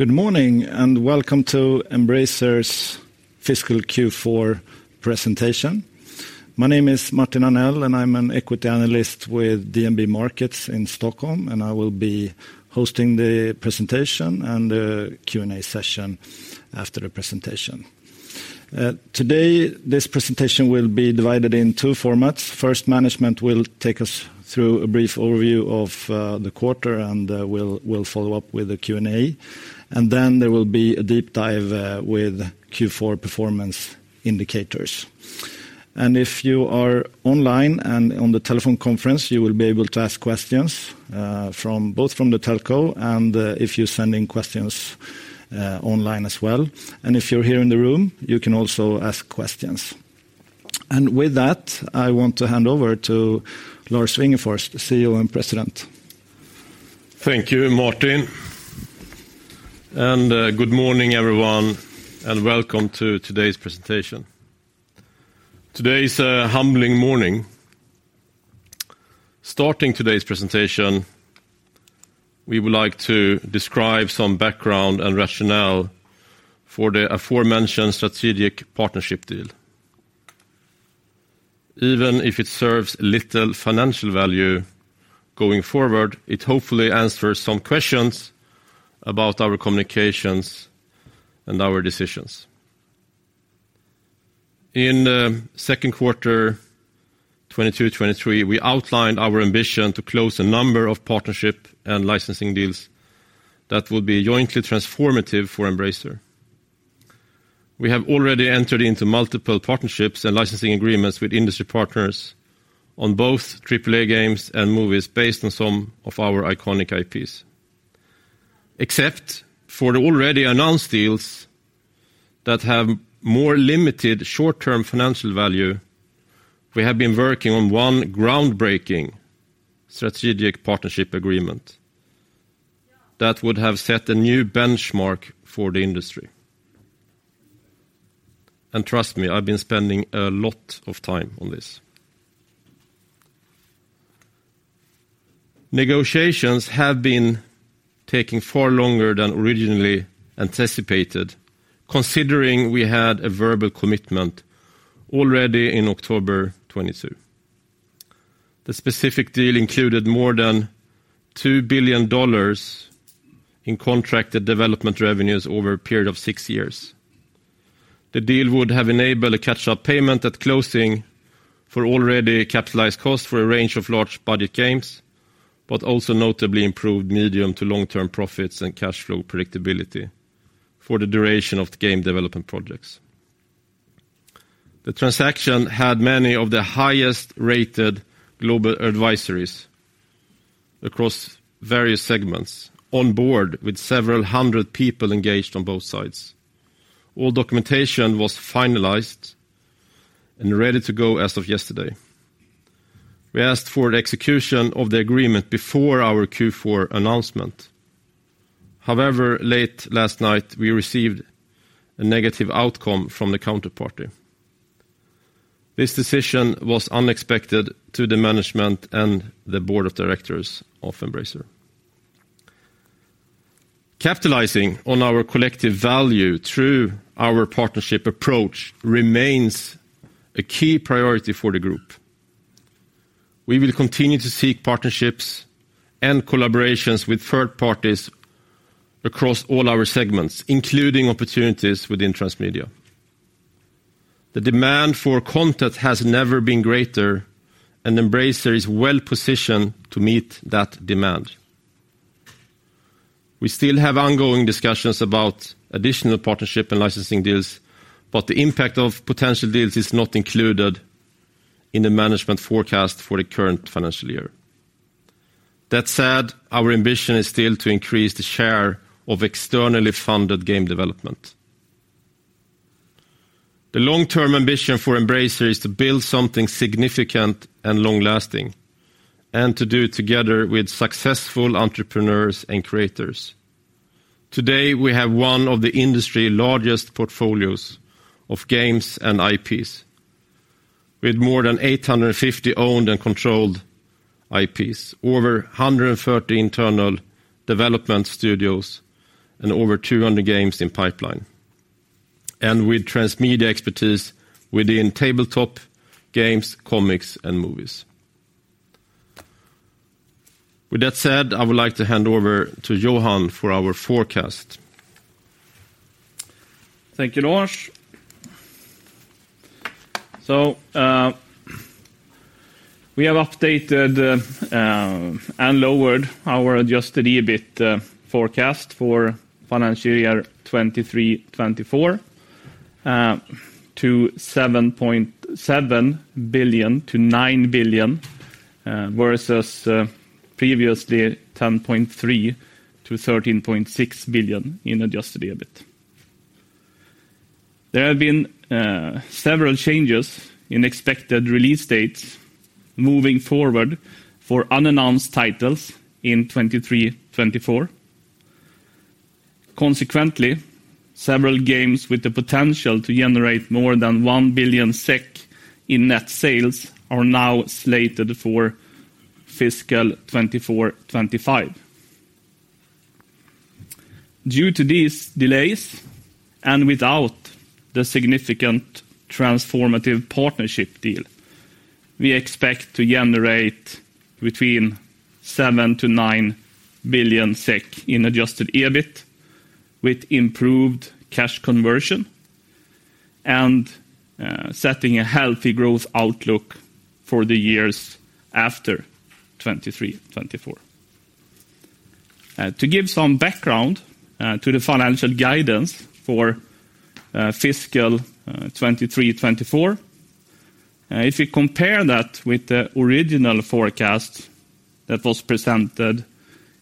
Good morning and welcome to Embracer's fiscal Q4 presentation. My name is Martin Arnell, and I'm an equity analyst with DNB Markets in Stockholm, and I will be hosting the presentation and the Q&A session after the presentation. Today, this presentation will be divided in two formats. First, management will take us through a brief overview of the quarter, and we'll follow up with a Q&A, and then there will be a deep dive with Q4 performance indicators. If you are online and on the telephone conference, you will be able to ask questions both from the telco and if you send in questions online as well. If you're here in the room, you can also ask questions. With that, I want to hand over to Lars Wingefors, the CEO and President. Thank you, Martin. Good morning, everyone, and welcome to today's presentation. Today is a humbling morning. Starting today's presentation, we would like to describe some background and rationale for the aforementioned strategic partnership deal. Even if it serves little financial value going forward, it hopefully answers some questions about our communications and our decisions. In second quarter 2022/2023, we outlined our ambition to close a number of partnership and licensing deals that will be jointly transformative for Embracer. We have already entered into multiple partnerships and licensing agreements with industry partners on both AAA games and movies based on some of our iconic IPs. Except for the already announced deals that have more limited short-term financial value, we have been working on one groundbreaking strategic partnership agreement that would have set a new benchmark for the industry. Trust me, I've been spending a lot of time on this. Negotiations have been taking far longer than originally anticipated, considering we had a verbal commitment already in October 2022. The specific deal included more than $2 billion in contracted development revenues over a period of six years. The deal would have enabled a catch-up payment at closing for already capitalized costs for a range of large budget games, but also notably improved medium to long-term profits and cash flow predictability for the duration of the game development projects. The transaction had many of the highest rated global advisories across various segments on board with several hundred people engaged on both sides. All documentation was finalized and ready to go as of yesterday. We asked for the execution of the agreement before our Q4 announcement. Late last night, we received a negative outcome from the counterparty. This decision was unexpected to the management and the board of directors of Embracer Group. Capitalizing on our collective value through our partnership approach remains a key priority for the group. We will continue to seek partnerships and collaborations with third parties across all our segments, including opportunities within transmedia. The demand for content has never been greater, and Embracer Group is well-positioned to meet that demand. We still have ongoing discussions about additional partnership and licensing deals, but the impact of potential deals is not included in the management forecast for the current financial year. That said, our ambition is still to increase the share of externally funded game development. The long-term ambition for Embracer Group is to build something significant and long-lasting and to do it together with successful entrepreneurs and creators. Today, we have one of the industry largest portfolios of games and IPs, with more than 850 owned and controlled IPs, over 130 internal development studios, and over 200 games in pipeline. With transmedia expertise within tabletop games, comics, and movies. With that said, I would like to hand over to Johan for our forecast. Thank you, Lars. We have updated and lowered our adjusted EBIT forecast for financial year 2023/2024, to 7.7 billion-9 billion versus previously 10.3 billion-13.6 billion in adjusted EBIT. There have been several changes in expected release dates moving forward for unannounced titles in 2023/2024. Consequently, several games with the potential to generate more than 1 billion SEK in net sales are now slated for fiscal 2024/2025. Due to these delays and without the significant transformative partnership deal, we expect to generate between 7 billion-9 billion SEK in adjusted EBIT with improved cash conversion and setting a healthy growth outlook for the years after 2023/2024. To give some background to the financial guidance for fiscal 2023/2024, if you compare that with the original forecast that was presented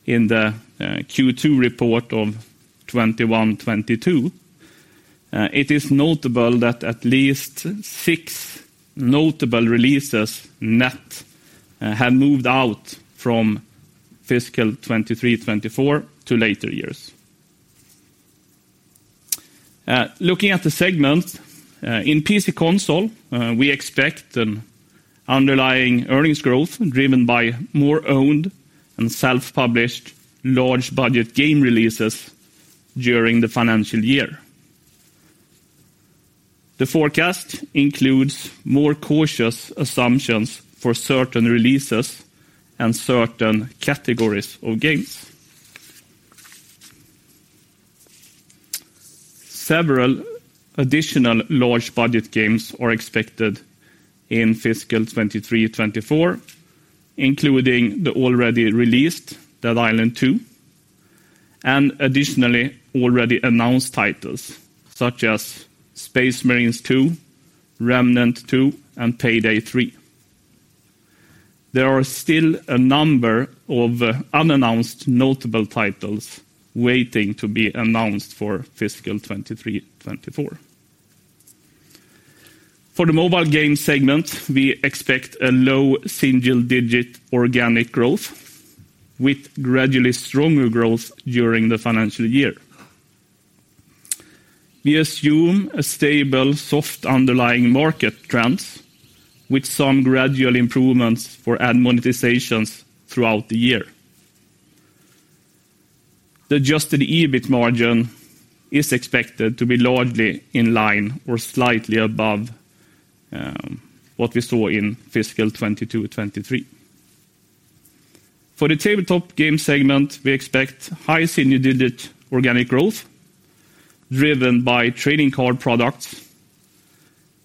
in the Q2 report of 2021/2022, it is notable that at least six notable releases net have moved out from fiscal 2023/2024 to later years. Looking at the segment in PC console, we expect an underlying earnings growth driven by more owned and self-published large budget game releases during the financial year. The forecast includes more cautious assumptions for certain releases and certain categories of games. Several additional large budget games are expected in fiscal 2023/2024, including the already released Dead Island 2, and additionally already announced titles such as Space Marines 2, Remnant II, and Payday 3. There are still a number of unannounced notable titles waiting to be announced for fiscal 2023/2024. For the mobile game segment, we expect a low single-digit organic growth with gradually stronger growth during the financial year. We assume a stable soft underlying market trends with some gradual improvements for ad monetizations throughout the year. The adjusted EBIT margin is expected to be largely in line or slightly above what we saw in fiscal 2022/2023. For the tabletop game segment, we expect high single-digit organic growth driven by trading card products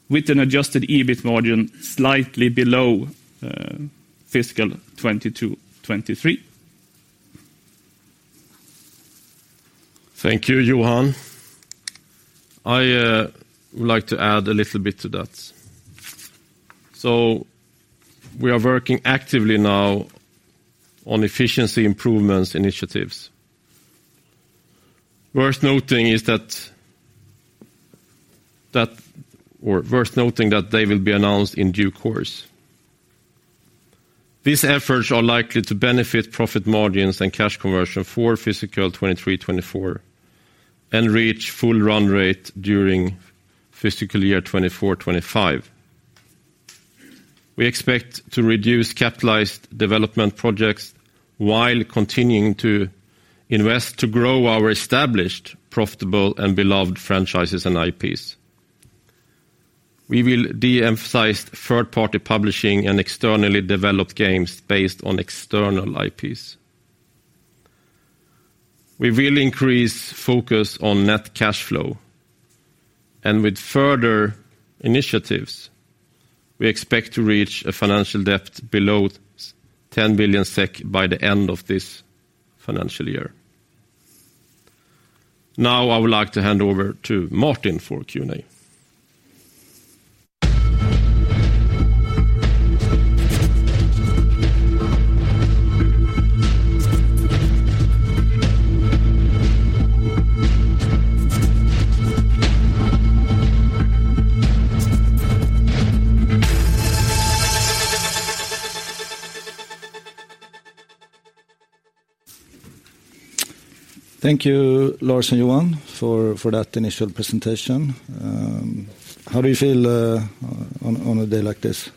with an adjusted EBIT margin slightly below fiscal 2022/2023. Thank you, Johan. I would like to add a little bit to that. We are working actively now on efficiency improvements initiatives. Worth noting that they will be announced in due course. These efforts are likely to benefit profit margins and cash conversion for fiscal 2023/2024 and reach full run rate during fiscal year 2024/2025. We expect to reduce capitalized development projects while continuing to invest to grow our established profitable and beloved franchises and IPs. We will de-emphasize third-party publishing and externally developed games based on external IPs. We will increase focus on net cash flow, and with further initiatives, we expect to reach a financial depth below 10 billion SEK by the end of this financial year. I would like to hand over to Martin for Q&A. Thank you, Lars and Johan, for that initial presentation. How do you feel on a day like this?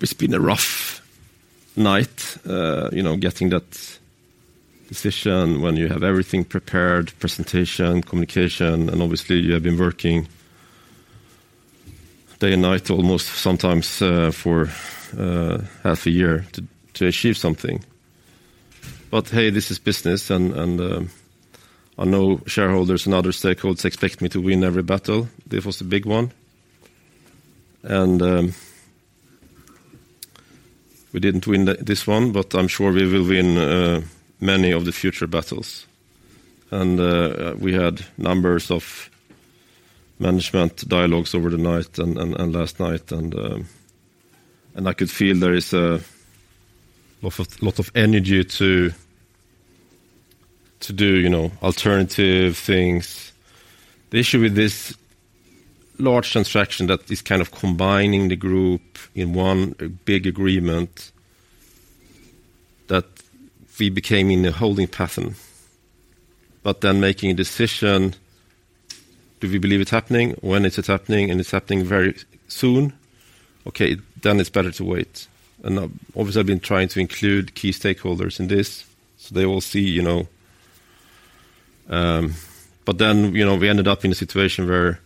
It's been a rough night, you know, getting that decision when you have everything prepared, presentation, communication, and obviously you have been working day and night almost sometimes for half a year to achieve something. Hey, this is business and I know shareholders and other stakeholders expect me to win every battle. This was a big one. We didn't win this one, but I'm sure we will win many of the future battles. We had numbers of management dialogues over the night and last night, I could feel there is a lot of energy to do, you know, alternative things. The issue with this large transaction that is kind of combining the group in one big agreement. We became in a holding pattern, making a decision, do we believe it's happening? When is it happening? It's happening very soon. It's better to wait. Obviously, I've been trying to include key stakeholders in this, so they will see, you know, we ended up in a situation where,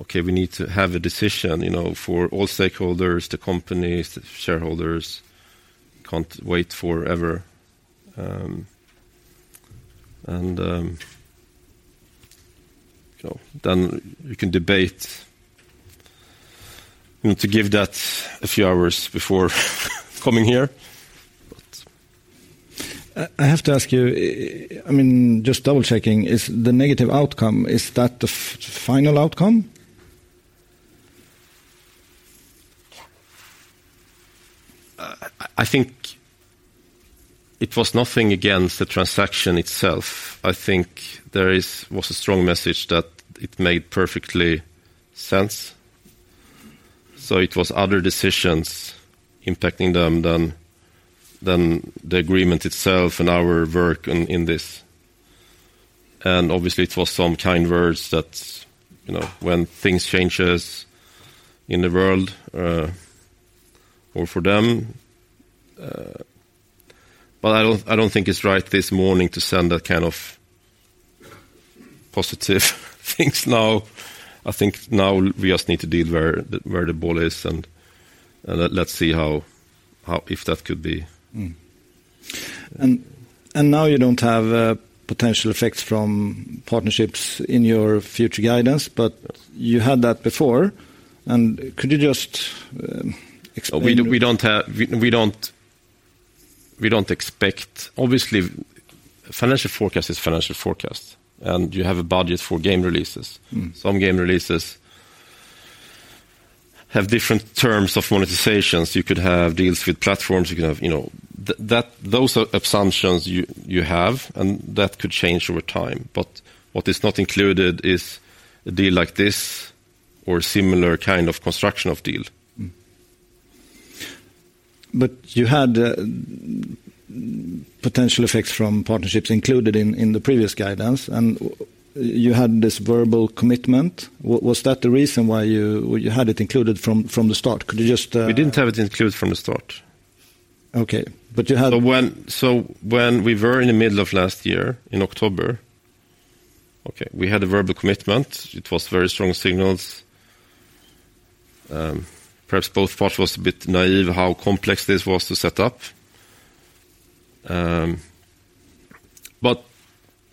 okay, we need to have a decision, you know, for all stakeholders, the companies, the shareholders can't wait forever. We can debate. We need to give that a few hours before coming here, but... I have to ask you, I mean, just double-checking, is the negative outcome, is that the final outcome? I think it was nothing against the transaction itself. I think there was a strong message that it made perfectly sense. It was other decisions impacting them than the agreement itself and our work in this. Obviously, it was some kind words that, you know, when things changes in the world or for them, I don't think it's right this morning to send that kind of positive things now. I think now we just need to deal where the ball is and let's see how if that could be. Mm-hmm. And now you don't have potential effects from partnerships in your future guidance, but you had that before. Could you just explain? We don't expect. Obviously, financial forecast is financial forecast, and you have a budget for game releases. Mm-hmm. Some game releases have different terms of monetizations. You could have deals with platforms, you could have, you know, those are assumptions you have, and that could change over time. What is not included is a deal like this or similar kind of construction of deal. You had potential effects from partnerships included in the previous guidance, and you had this verbal commitment. Was that the reason why you had it included from the start? Could you just? We didn't have it included from the start. Okay. But you had— When we were in the middle of last year in October, okay, we had a verbal commitment. It was very strong signals. Perhaps both parts was a bit naive how complex this was to set up.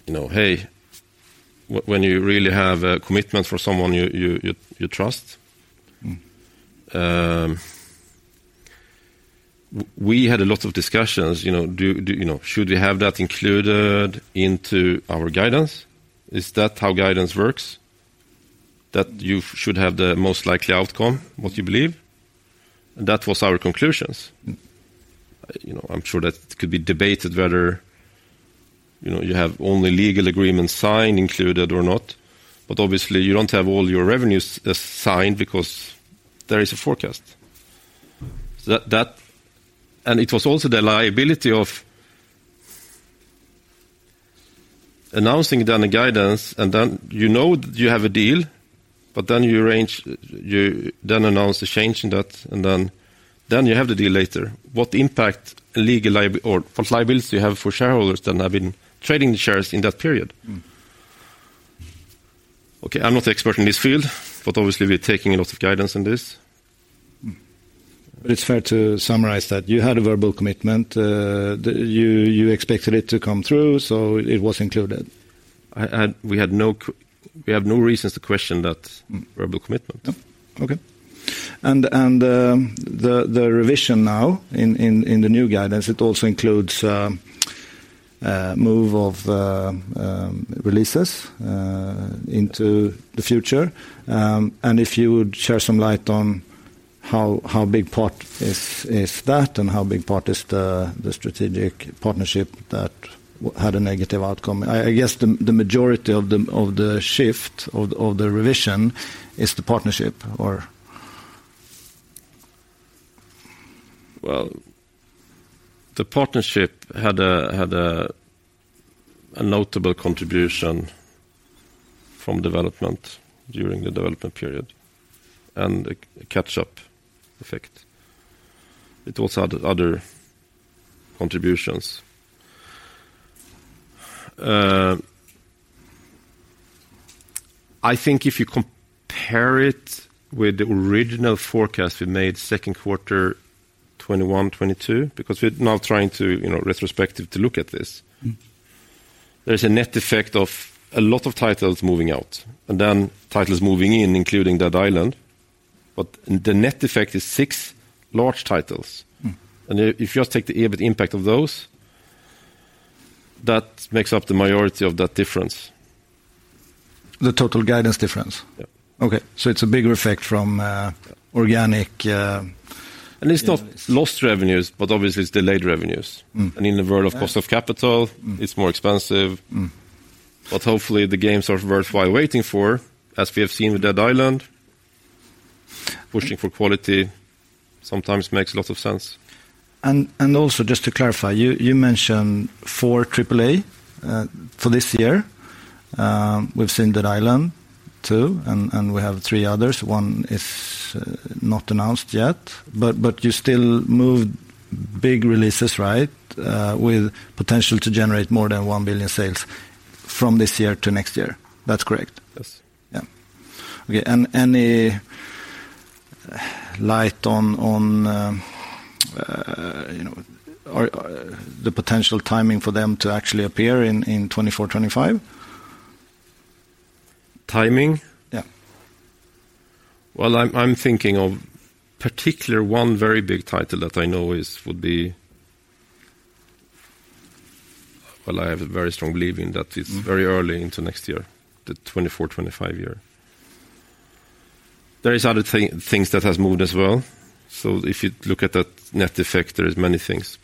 You know, hey, when you really have a commitment for someone you trust. Mm-hmm. We had a lot of discussions, you know, do, you know, should we have that included into our guidance? Is that how guidance works? That you should have the most likely outcome, what you believe? That was our conclusions. You know, I'm sure that could be debated whether, you know, you have only legal agreement signed, included or not. Obviously, you don't have all your revenues as signed because there is a forecast. It was also the liability of announcing then a guidance, and then you know you have a deal, but then you then announce a change in that, and then you have the deal later. What impact legal or what liabilities you have for shareholders that have been trading the shares in that period? Okay, I'm not the expert in this field, but obviously we're taking a lot of guidance on this. It's fair to summarize that you had a verbal commitment, that you expected it to come through, so it was included. We have no reasons to question that verbal commitment. No. Okay. The revision now in the new guidance, it also includes a move of releases into the future. If you would share some light on how big part is that and how big part is the strategic partnership that had a negative outcome. I guess the majority of the shift of the revision is the partnership or? Well, the partnership had a notable contribution from development during the development period and a catch-up effect. It also had other contributions. I think if you compare it with the original forecast we made second quarter 2021/2022, because we're now trying to, you know, retrospective to look at this. There's a net effect of a lot of titles moving out and then titles moving in, including Dead Island. The net effect is six large titles. If you just take the EBIT impact of those, that makes up the majority of that difference. The total guidance difference? Yeah. Okay. It's a bigger effect from organic. It's not lost revenues, but obviously it's delayed revenues. Mm-hmm. In the world of cost of capital, it's more expensive. Mm-hmm. Hopefully, the games are worthwhile waiting for, as we have seen with Dead Island. Pushing for quality sometimes makes a lot of sense. Also just to clarify, you mentioned four AAA for this year. We've seen Dead Island 2, and we have three others. One is not announced yet, but you still moved big releases, right? With potential to generate more than 1 billion sales from this year to next year. That's correct? Yes. Yeah. Okay, any light on, you know, or the potential timing for them to actually appear in 2024/2025? Timing? Yeah. Well, I'm thinking of particular one very big title that I know would be. Well, I have a very strong belief in that it's very early into next year, the 2024/2025 year. There is other things that has moved as well. If you look at that net effect, there is many things.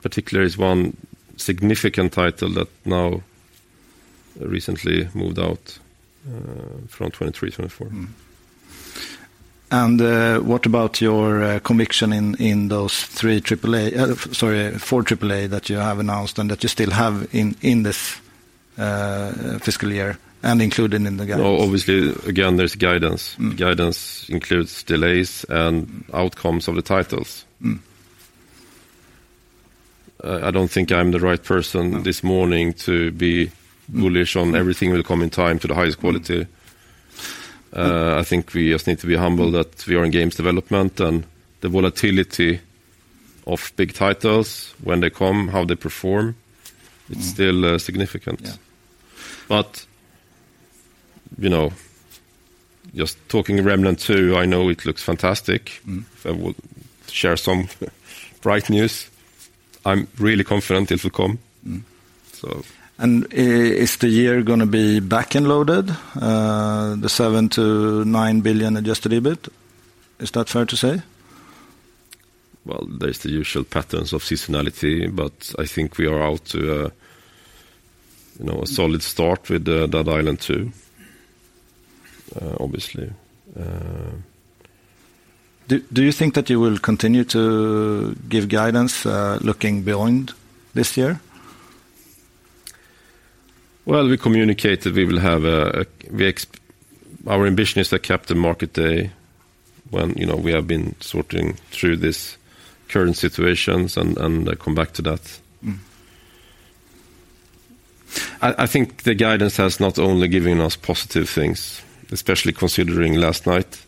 Particular is one significant title that now recently moved out from 2023/2024. What about your conviction in those four AAA that you have announced and that you still have in this fiscal year and including in the guidance? Well, obviously, again, there's guidance. Mm-hmm. Guidance includes delays and outcomes of the titles. Mm-hmm. I don't think I'm the right person this morning to be bullish on everything will come in time to the highest quality. I think we just need to be humble that we are in games development and the volatility of big titles, when they come, how they perform, it's still significant. Yeah. You know, just talking Remnant II, I know it looks fantastic. Mm-hmm. I will share some bright news. I'm really confident it will come. So... Is the year gonna be back-ended loaded? The 7 billion-9 billion adjusted EBIT? Is that fair to say? There's the usual patterns of seasonality, but I think we are out to, you know, a solid start with Dead Island 2, obviously. Do you think that you will continue to give guidance, looking beyond this year? Well, we communicated we will have, our ambition is to cap the market day when, you know, we have been sorting through these current situations and come back to that. Mm-hmm. I think the guidance has not only given us positive things, especially considering last night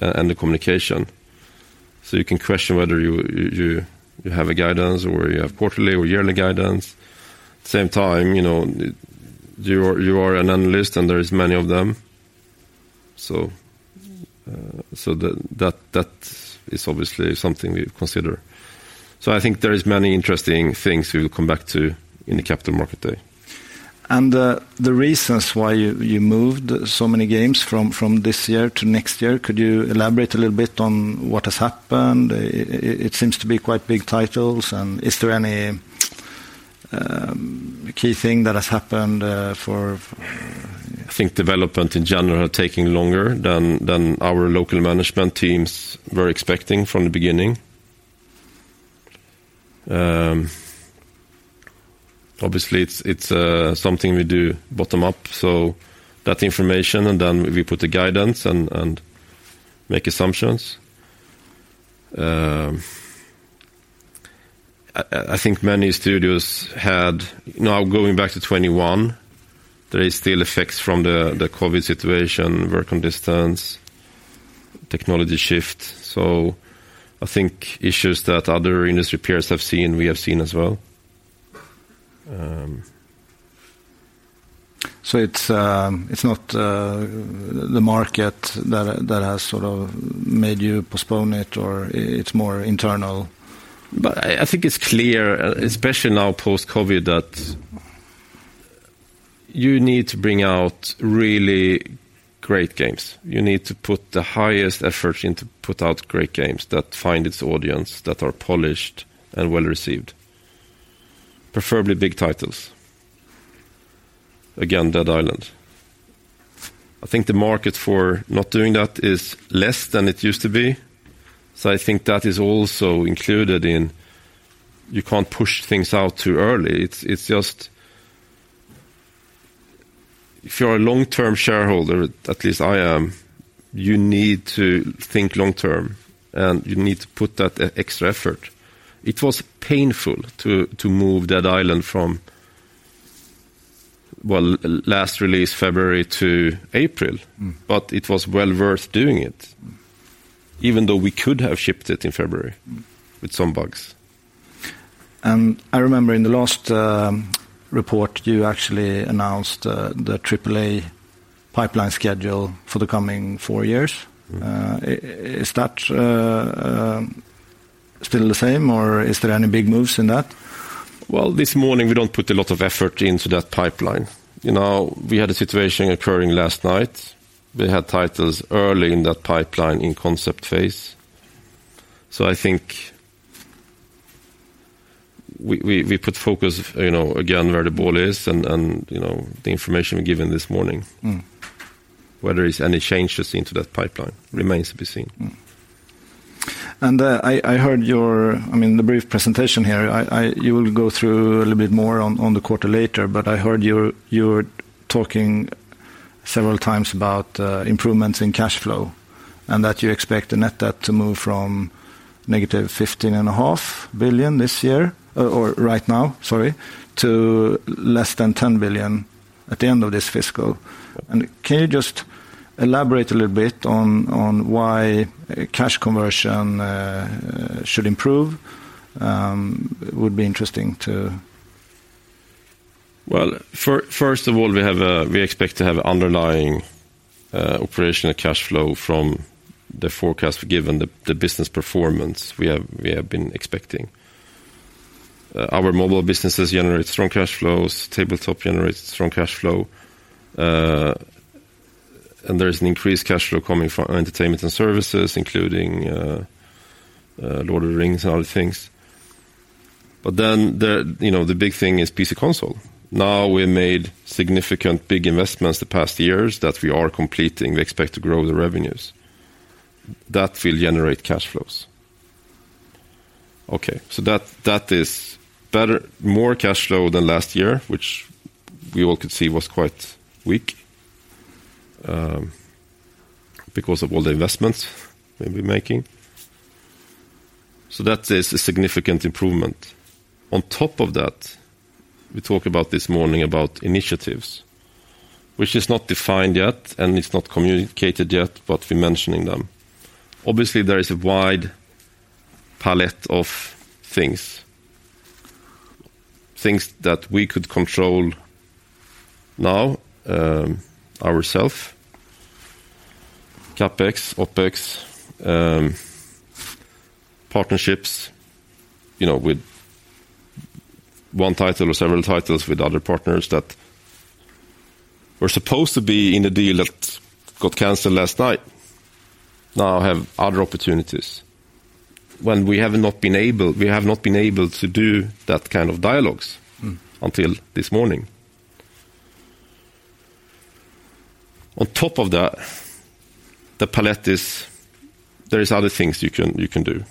and the communication. You can question whether you have a guidance or you have quarterly or yearly guidance. At the same time, you know, you are an analyst and there is many of them. That is obviously something we consider. I think there is many interesting things we will come back to in the capital market day. The reasons why you moved so many games from this year to next year, could you elaborate a little bit on what has happened? It seems to be quite big titles. Is there any key thing that has happened? I think development in general taking longer than our local management teams were expecting from the beginning. Obviously, it's something we do bottom up. That information, and then we put the guidance and make assumptions. Now, going back to 2021, there is still effects from the COVID situation, work on distance, technology shift. I think issues that other industry peers have seen, we have seen as well. It's not the market that has sort of made you postpone it, or it's more internal? I think it's clear, especially now post-COVID, that you need to bring out really great games. You need to put the highest effort in to put out great games that find its audience, that are polished and well-received. Preferably big titles. Again, Dead Island. I think the market for not doing that is less than it used to be. I think that is also included in you can't push things out too early. It's just if you're a long-term shareholder, at least I am, you need to think long term, and you need to put that extra effort. It was painful to move Dead Island from, well, last release February to April. It was well worth doing it, even though we could have shipped it in February with some bugs. I remember in the last report, you actually announced the AAA pipeline schedule for the coming four years. Mm-hmm. Is that still the same, or is there any big moves in that? Well, this morning, we don't put a lot of effort into that pipeline. You know, we had a situation occurring last night. We had titles early in that pipeline in concept phase. We put focus, you know, again, where the ball is and, you know, the information we've given this morning. Mm-hmm. Whether it's any changes into that pipeline remains to be seen. I heard I mean, the brief presentation here. You will go through a little bit more on the quarter later, but I heard you were talking several times about improvements in cash flow and that you expect the net debt to move from -15.5 billion this year, or right now, sorry, to less than 10 billion at the end of this fiscal. Can you just elaborate a little bit on why cash conversion should improve? It would be interesting. Well, first of all, we expect to have underlying operational cash flow from the forecast given the business performance we have been expecting. Our mobile businesses generate strong cash flows, tabletop generates strong cash flow, and there's an increased cash flow coming from entertainment and services, including Lord of the Rings and other things. The, you know, the big thing is PC console. Now we made significant big investments the past years that we are completing. We expect to grow the revenues. That will generate cash flows. That, that is more cash flow than last year, which we all could see was quite weak because of all the investments that we're making. That is a significant improvement. On top of that, we talk about this morning about initiatives, which is not defined yet, and it's not communicated yet. We're mentioning them. Obviously, there is a wide palette of things. Things that we could control now, ourself, CapEx, OpEx, partnerships, you know, with one title or several titles with other partners that were supposed to be in a deal that got canceled last night now have other opportunities. When we have not been able to do that kind of dialogues— Mm-hmm. Until this morning. On top of the palette is there is other things you can do,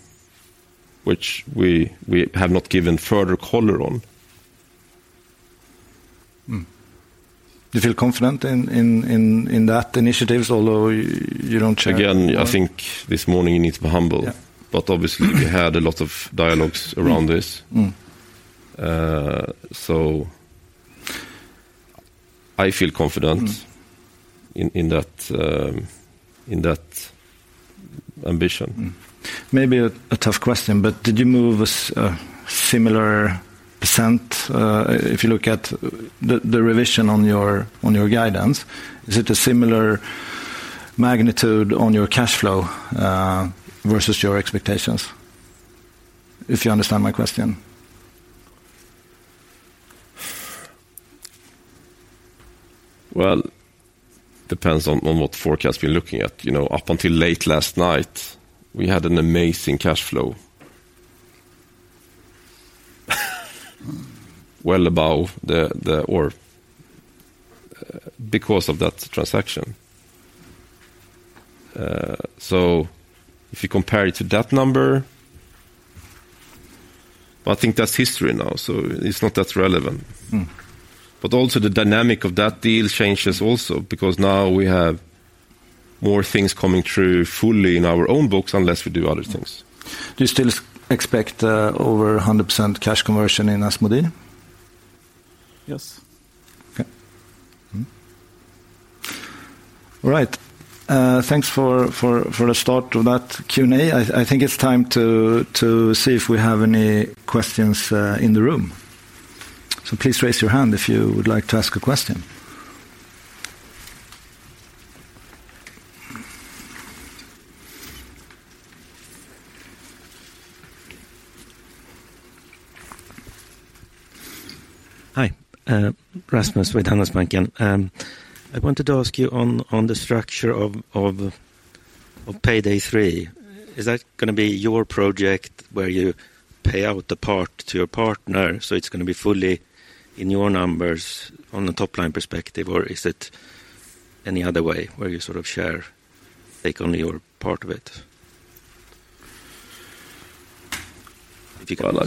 which we have not given further color on. You feel confident in that initiatives, although. I think this morning you need to be humble. Yeah. Obviously we had a lot of dialogues around this. Mm-hmm. I feel confident— Mm-hmm. —in that ambition. Maybe a tough question, but did you move a similar percent? If you look at the revision on your guidance, is it a similar magnitude on your cash flow versus your expectations? If you understand my question. Well, depends on what forecast we're looking at. You know, up until late last night, we had an amazing cash flow. Well above because of that transaction. If you compare it to that number. I think that's history now, it's not that relevant. Mm-hmm. Also the dynamic of that deal changes also because now we have more things coming through fully in our own books unless we do other things. Do you still expect over 100% cash conversion in Asmodee? Yes. Okay. All right. Thanks for the start of that Q&A. I think it's time to see if we have any questions in the room. Please raise your hand if you would like to ask a question. Hi, Rasmus with Handelsbanken. I wanted to ask you on the structure of Payday 3, is that gonna be your project where you pay out the part to your partner, so it's gonna be fully in your numbers on the top line perspective? Or is it any other way where you sort of share, take only your part of it?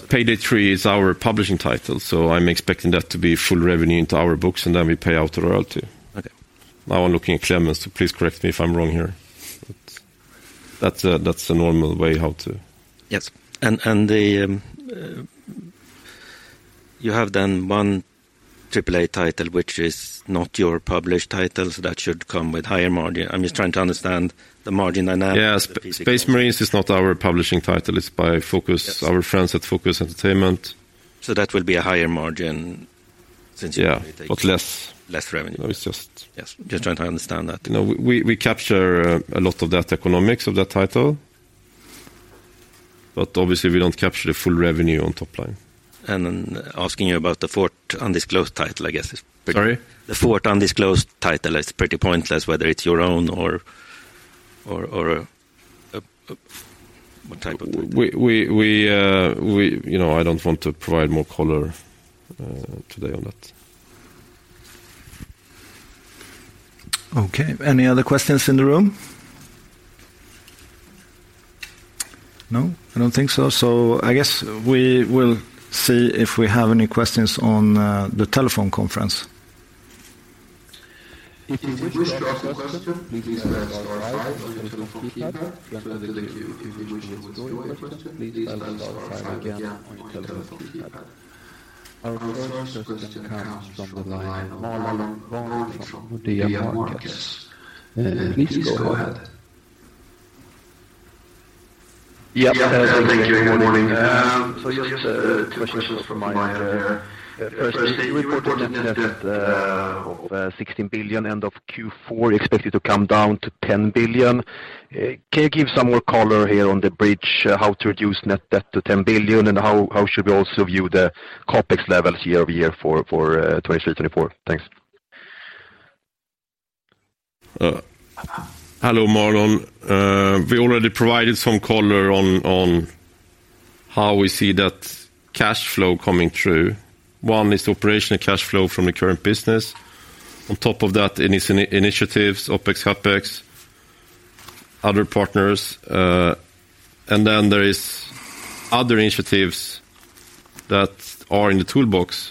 Payday 3 is our publishing title, so I'm expecting that to be full revenue into our books, and then we pay out a royalty. Okay. Now I'm looking at Klemens, so please correct me if I'm wrong here. That's the normal way how to. Yes. You have then 1 AAA title, which is not your published title, so that should come with higher margin. I'm just trying to understand the margin dynamic. Yeah. Space Marines is not our publishing title. It's by Focus Entertainment—our friends at Focus Entertainment. So, that would be a higher margin since? Yeah. Less. Less revenue. No, it's— Yes. Just trying to understand that— No, we capture a lot of that economics of that title, but obviously we don't capture the full revenue on top line. Asking you about the fourth undisclosed title... Sorry? The fourth undisclosed title is pretty pointless whether it's your own or, or....what type of... We, you know, I don't want to provide more color today on that. Okay. Any other questions in the room? No? I don't think so. I guess we will see if we have any questions on the telephone conference. If you wish to ask a question, please press star five on your telephone keypad. If you wish to withdraw your question, please press star five again on your telephone keypad. Our first question comes from the line of Martin Arnell from DNB Markets. Please go ahead. Yes. Thank you. Good morning. Just two questions from my end there. First, you reported net debt of 16 billion end of Q4 expected to come down to 10 billion. Can you give some more color here on the bridge how to reduce net debt to 10 billion and how should we also view the CapEx levels year-over-year for 2023/2024? Thanks. Hello, Martin. We already provided some color on how we see that cash flow coming through. One is the operational cash flow from the current business. On top of that, any initiatives, OpEx, CapEx, other partners. Then there is other initiatives that are in the toolbox,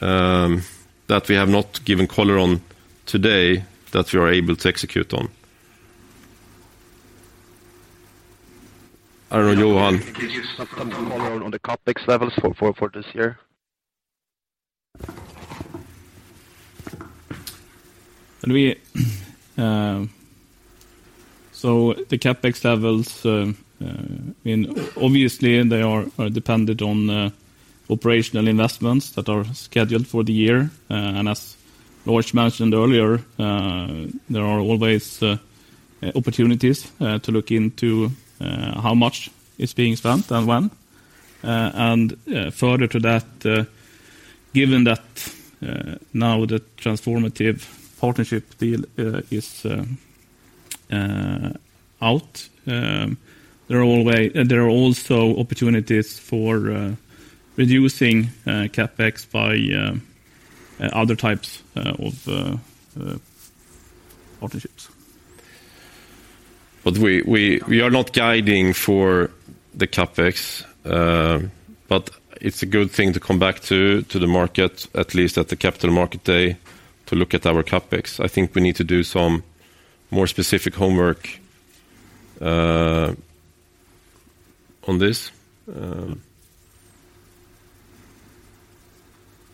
that we have not given color on today that we are able to execute on. I don't know, Johan. Can you just add some color on the CapEx levels for this year? The CapEx levels are dependent on operational investments that are scheduled for the year. As Lars mentioned earlier, there are always opportunities to look into how much is being spent and when. Further to that, given that now the transformative partnership deal is out, there are also opportunities for reducing CapEx by other types of partnerships. We are not guiding for the CapEx, but it's a good thing to come back to the market, at least at the capital market day, to look at our CapEx. I think we need to do some more specific homework on this. Yeah.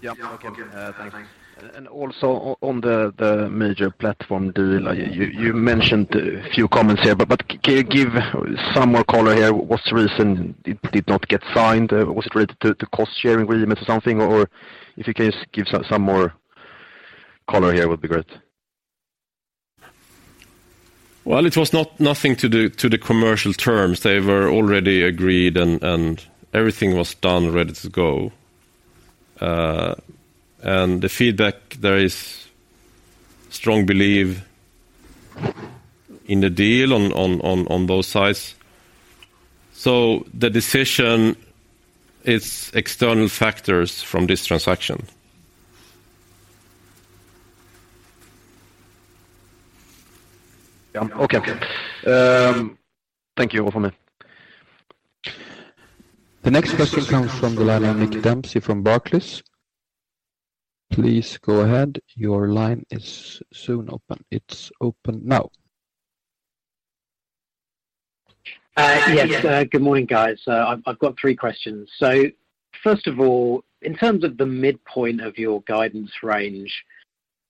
Okay. Thanks. Also on the major platform deal, you mentioned a few comments here, but give some more color here. What's the reason it did not get signed? Was it related to cost-sharing agreement or something? If you can just give some more color here, would be great. Well, it was nothing to do to the commercial terms. They were already agreed and everything was done, ready to go. The feedback, there is strong belief in the deal on both sides. The decision is external factors from this transaction. Okay. Thank you. Over with me. The next question comes from the line of Nick Dempsey from Barclays. Please go ahead. Your line is soon open. It's open now. Yes. Good morning, guys. I've got three questions. First of all, in terms of the midpoint of your guidance range,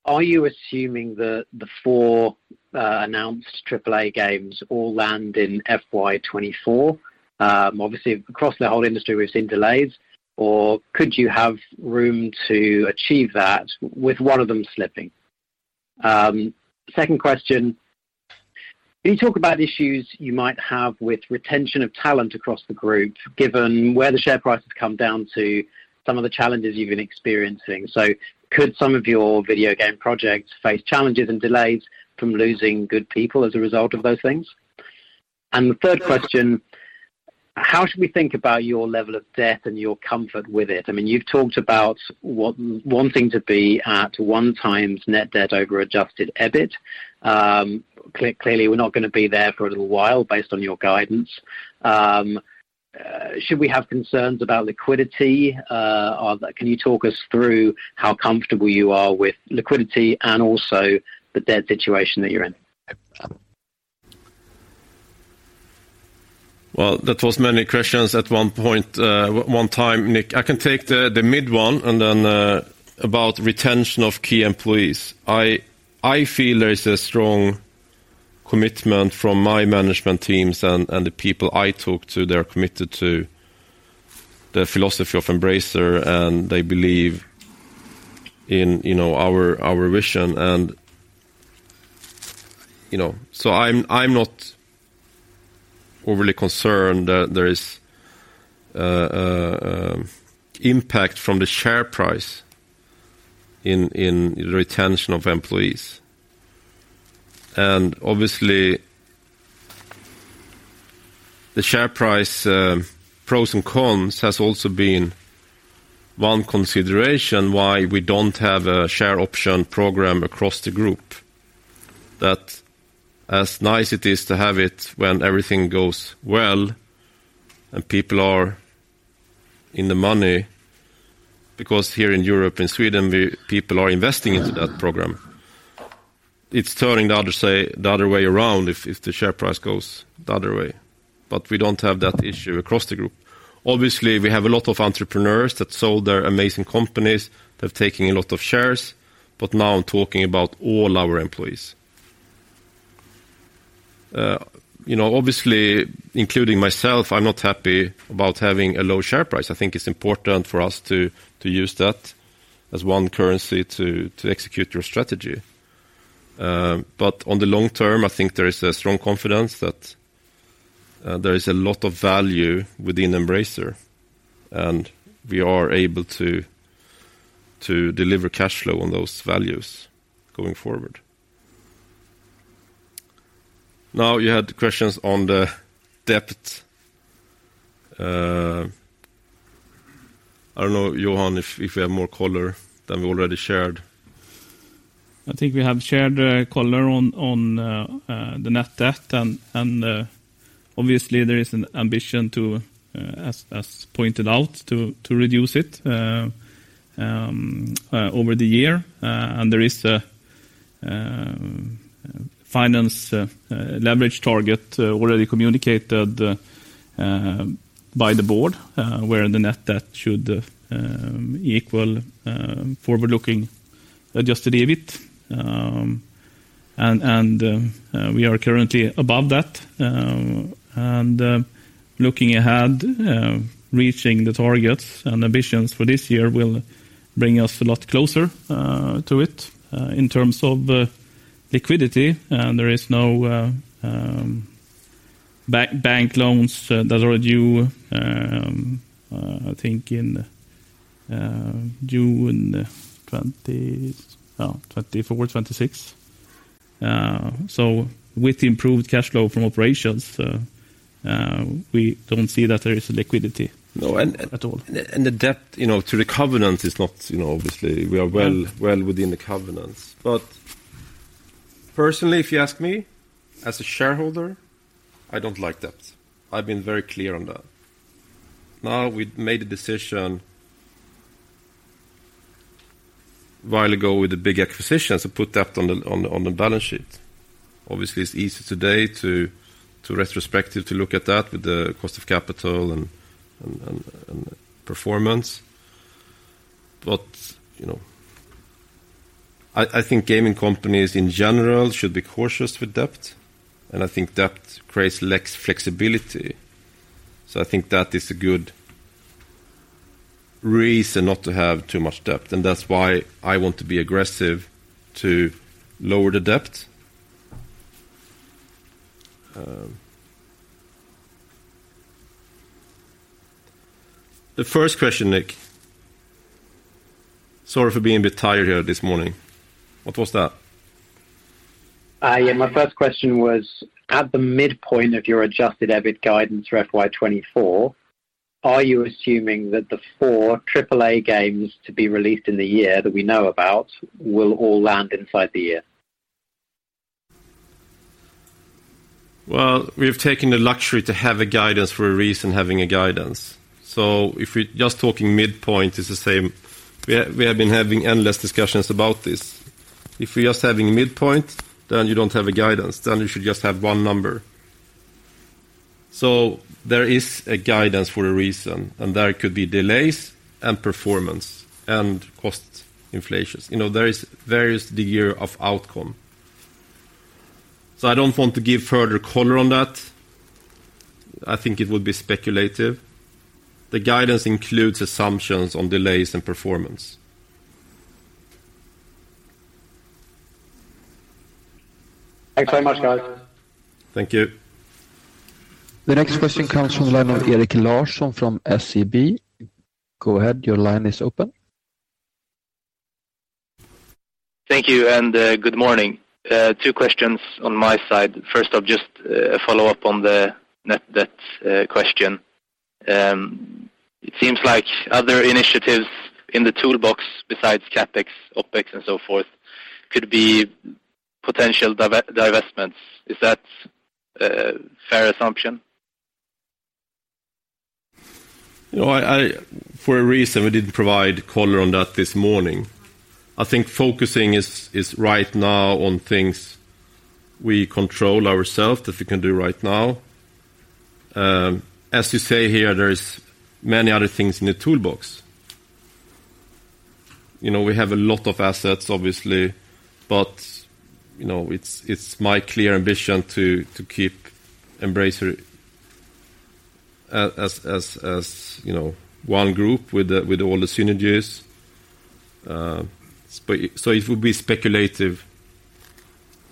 are you assuming the four announced AAA games all land in FY 2024? Obviously, across the whole industry, we've seen delays. Could you have room to achieve that with one of them slipping? Second question, can you talk about issues you might have with retention of talent across the group, given where the share price has come down to some of the challenges you've been experiencing? Could some of your video game projects face challenges and delays from losing good people as a result of those things? The third question, how should we think about your level of debt and your comfort with it? I mean, you've talked about wanting to be at 1x net debt over adjusted EBIT. Clearly, we're not gonna be there for a little while based on your guidance. Should we have concerns about liquidity? Can you talk us through how comfortable you are with liquidity and also the debt situation that you're in? Well, that was many questions at one point, one time, Nick. I can take the mid one and then about retention of key employees. I feel there is a strong commitment from my management teams and the people I talk to. They're committed to the philosophy of Embracer, and they believe in, you know, our vision. You know, so I'm not overly concerned that there is impact from the share price in the retention of employees. Obviously the share price pros and cons has also been one consideration why we don't have a share option program across the group. That as nice it is to have it when everything goes well and people are in the money, because here in Europe, in Sweden, people are investing into that program. It's turning the other way around if the share price goes the other way. We don't have that issue across the group. Obviously, we have a lot of entrepreneurs that sold their amazing companies, they're taking a lot of shares, but now I'm talking about all our employees. You know, obviously including myself, I'm not happy about having a low share price. I think it's important for us to use that as one currency to execute your strategy. On the long term, I think there is a strong confidence that there is a lot of value within Embracer, and we are able to deliver cash flow on those values going forward. Now you had questions on the debt. I don't know, Johan, if you have more color than we already shared. I think we have shared color on the net debt and obviously there is an ambition to reduce it over the year. There is a finance leverage target already communicated by the board where the net debt should equal forward-looking adjusted EBIT. We are currently above that. Looking ahead, reaching the targets and ambitions for this year will bring us a lot closer to it in terms of liquidity. There is no bank loans that are due I think in June 2024/2026. With improved cash flow from operations, we don't see that there is liquidity at all. No. The debt, you know, to the covenants is not, you know, obviously we are well within the covenants. Personally, if you ask me as a shareholder, I don't like debt. I've been very clear on that. We made a decision while ago with the big acquisitions to put that on the balance sheet. Obviously, it's easy today to retrospective to look at that with the cost of capital and performance. You know, I think gaming companies in general should be cautious with debt, and I think debt creates less flexibility. I think that is a good reason not to have too much debt, and that's why I want to be aggressive to lower the debt. The first question, Nick, sorry for being a bit tired here this morning. What was that? Yeah, my first question was at the midpoint of your adjusted EBIT guidance for FY 2024, are you assuming that the four AAA games to be released in the year that we know about will all land inside the year? Well, we have taken the luxury to have a guidance for a reason, having a guidance. If we're just talking midpoint is the same. We have been having endless discussions about this. If we're just having midpoint, then you don't have a guidance, then you should just have one number. There is a guidance for a reason, and there could be delays and performance and cost inflations. You know, there is the year of outcome. I don't want to give further color on that. I think it would be speculative. The guidance includes assumptions on delays and performance. Thanks very much, guys. Thank you. The next question comes from the line of Erik Larsson from SEB. Go ahead. Your line is open. Thank you, and good morning. Two questions on my side. First off, just a follow-up on the net debt question. It seems like other initiatives in the toolbox besides CapEx, OpEx, and so forth could be potential divestments. Is that a fair assumption? You know, I, for a reason, we didn't provide color on that this morning. I think focusing is right now on things we control ourselves, that we can do right now. As you say here, there is many other things in the toolbox. You know, we have a lot of assets obviously, but, you know, it's my clear ambition to keep Embracer as, you know, one group with all the synergies. It would be speculative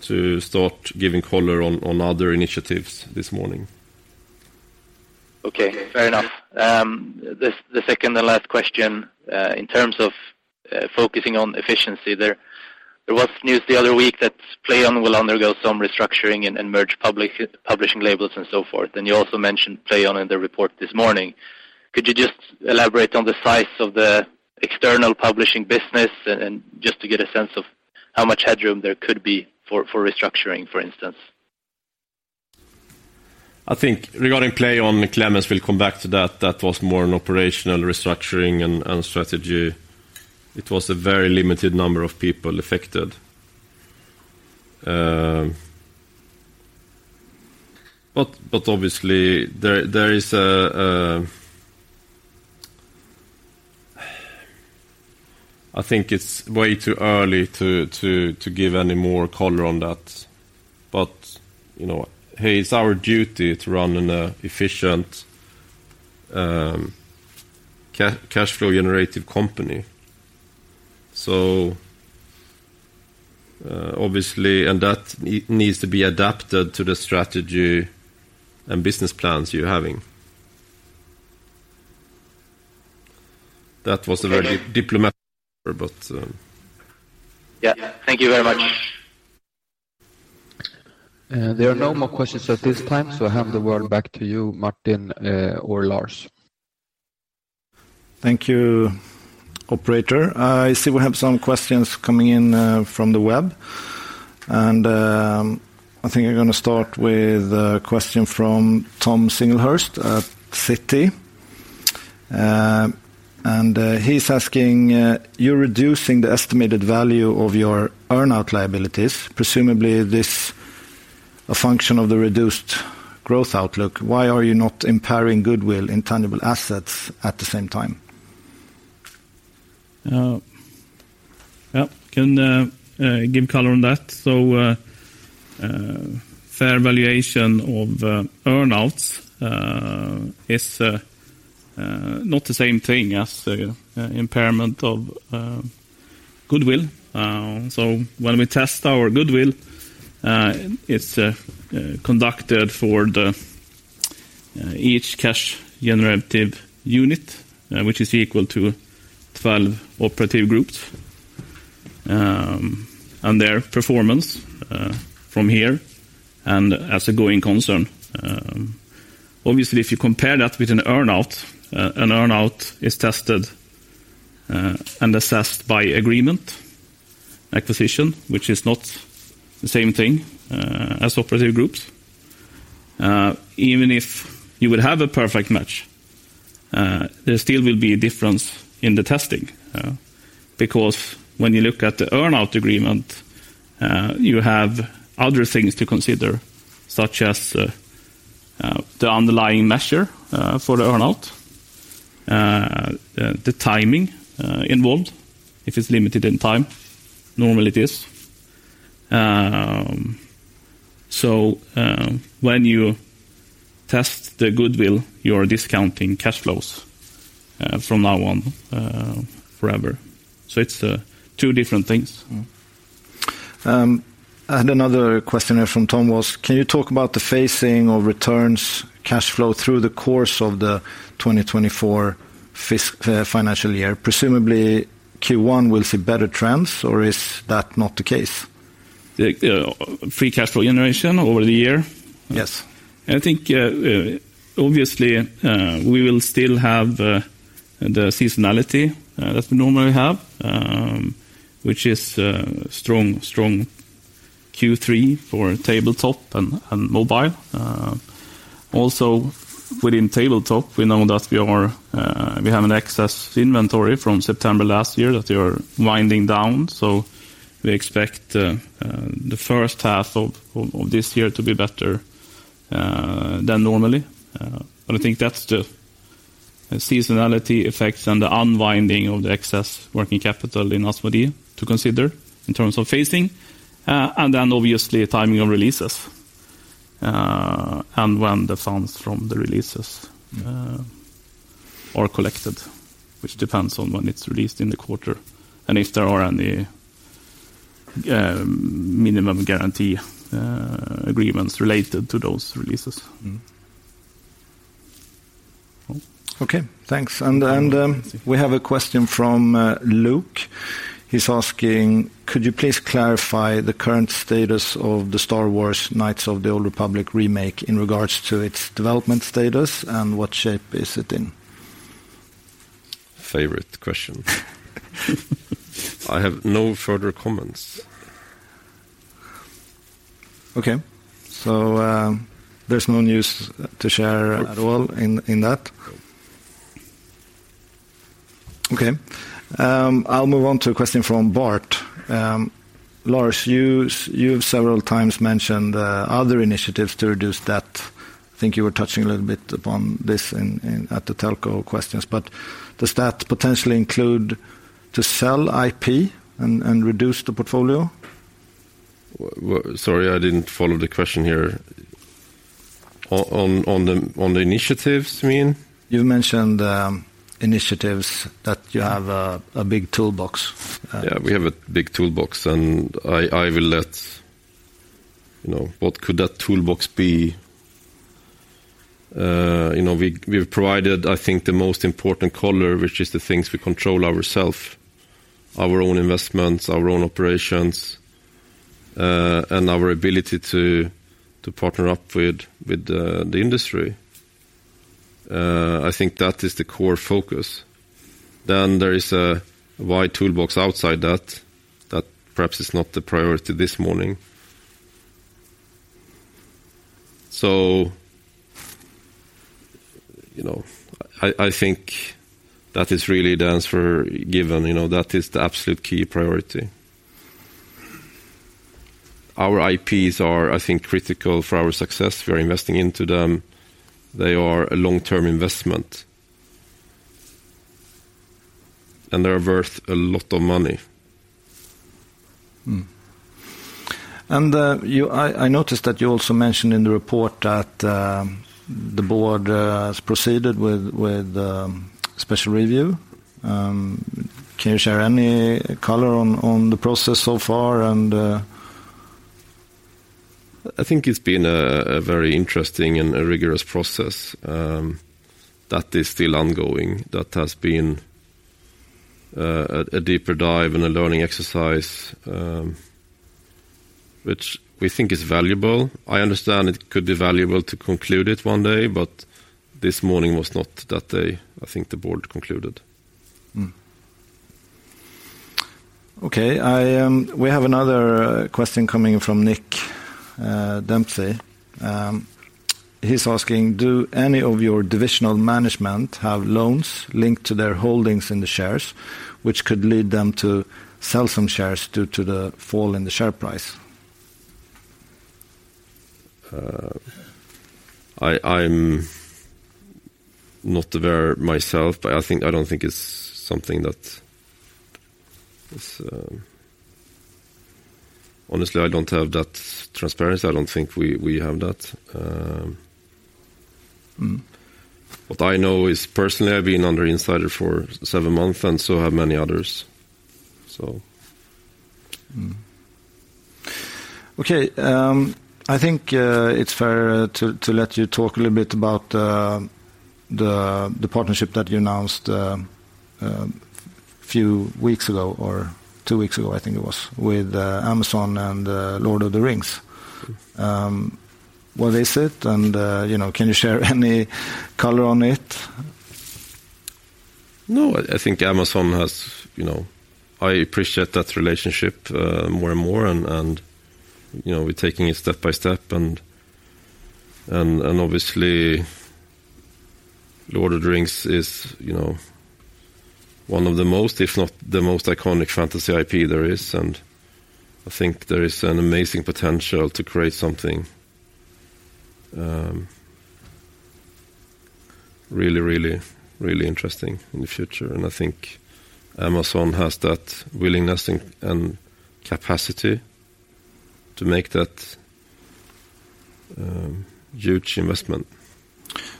to start giving color on other initiatives this morning. Okay, fair enough. The second and last question, in terms of focusing on efficiency there was news the other week that PLAION will undergo some restructuring and merge publishing labels and so forth, and you also mentioned PLAION in the report this morning. Could you just elaborate on the size of the external publishing business and just to get a sense of how much headroom there could be for restructuring, for instance? I think regarding PLAION, Klemens will come back to that. That was more an operational restructuring and strategy. It was a very limited number of people affected. Obviously there is. I think it's way too early to give any more color on that. You know, hey, it's our duty to run an efficient cash flow generative company. Obviously and that needs to be adapted to the strategy and business plans you're having. That was a very diplomatic answer, but. Yeah. Thank you very much. There are no more questions at this time, I hand the word back to you, Martin, or Lars. Thank you, operator. I see we have some questions coming in from the web, and I think we're gonna start with a question from Thomas Singlehurst at Citi. He's asking: You're reducing the estimated value of your earn-out liabilities. Presumably this a function of the reduced growth outlook. Why are you not impairing goodwill intangible assets at the same time? Yeah, can give color on that. Fair valuation of earn-outs is not the same thing as a impairment of goodwill. When we test our goodwill, it's conducted for each cash generative unit, which is equal to 12 operative groups, and their performance from here and as a going concern. If you compare that with an earn-out, an earn-out is tested and assessed by agreement acquisition, which is not the same thing as operative groups. Even if you would have a perfect match, there still will be a difference in the testing, because when you look at the earn-out agreement, you have other things to consider, such as the underlying measure for the earn-out, the timing involved, if it's limited in time. Normally it is. When you test the goodwill, you're discounting cash flows from now on, forever. It's two different things. Another question here from Tom was, can you talk about the phasing of returns cash flow through the course of the 2024 financial year? Presumably Q1 will see better trends or is that not the case? The free cash flow generation over the year? Yes. I think, obviously, we will still have the seasonality that we normally have, which is a strong Q3 for tabletop and mobile. Also within tabletop, we know that we have an excess inventory from September last year that we are winding down, so we expect the first half of this year to be better than normally. I think that's the seasonality effects and the unwinding of the excess working capital in Asmodee to consider in terms of phasing. Obviously timing of releases, and when the funds from the releases are collected, which depends on when it's released in the quarter and if there are any minimum guarantee agreements related to those releases. Okay, thanks. We have a question from Luke. He's asking: Could you please clarify the current status of the Star Wars: Knights of the Old Republic - Remake in regards to its development status and what shape is it in? Favorite question. I have no further comments. Okay. There's no news to share at all in that? No. Okay. I'll move on to a question from Bart: Lars, you've several times mentioned other initiatives to reduce debt. I think you were touching a little bit upon this at the telco questions. Does that potentially include to sell IP and reduce the portfolio? Sorry, I didn't follow the question here. On the initiatives you mean? You mentioned, initiatives that you have a big toolbox. Yeah, we have a big toolbox, and I, you know, what could that toolbox be? You know, we've provided, I think, the most important color, which is the things we control ourself, our own investments, our own operations, and our ability to partner up with the industry. I think that is the core focus. There is a wide toolbox outside that perhaps is not the priority this morning. You know, I think that is really the answer given, you know. That is the absolute key priority. Our IPs are, I think, critical for our success. We are investing into them. They are a long-term investment, and they're worth a lot of money. I noticed that you also mentioned in the report that the board has proceeded with special review. Can you share any color on the process so far? I think it's been a very interesting and a rigorous process, that is still ongoing, that has been a deeper dive and a learning exercise, which we think is valuable. I understand it could be valuable to conclude it one day, but this morning was not that day, I think the board concluded. Okay. I, we have another question coming from Nick Dempsey. He's asking: Do any of your divisional management have loans linked to their holdings in the shares, which could lead them to sell some shares due to the fall in the share price? I'm not aware myself. I don't think it's something that is... Honestly, I don't have that transparency. I don't think we have that. What I know is personally, I've been under insider for seven months and so have many others, so. Mm-hmm. Okay. I think it's fair to let you talk a little bit about the partnership that you announced few weeks ago or two weeks ago, I think it was, with Amazon and Lord of the Rings. What is it and, you know, can you share any color on it? No, I think Amazon has, you know, I appreciate that relationship more and more and, you know, we're taking it step by step and obviously, The Lord of the Rings is, you know, one of the most, if not the most iconic fantasy IP there is, and I think there is an amazing potential to create something really interesting in the future. I think Amazon has that willingness and capacity to make that huge investment.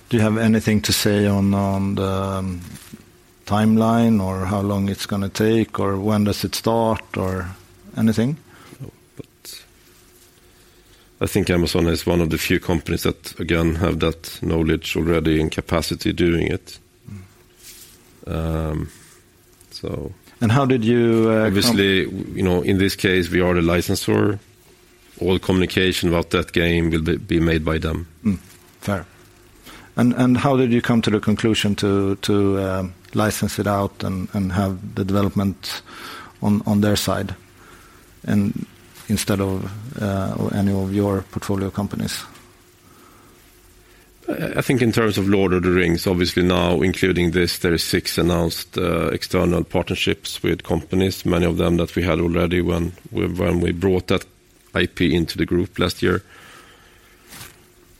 Do you have anything to say on the timeline or how long it's gonna take or when does it start or anything? I think Amazon is one of the few companies that, again, have that knowledge already and capacity doing it. How did you— Obviously, you know, in this case, we are the licensor. All communication about that game will be made by them. Mm-hmm. Fair. How did you come to the conclusion to license it out and have the development on their side and instead of any of your portfolio companies? I think in terms of Lord of the Rings, obviously now including this, there is six announced external partnerships with companies, many of them that we had already when we, when we brought that IP into the group last year.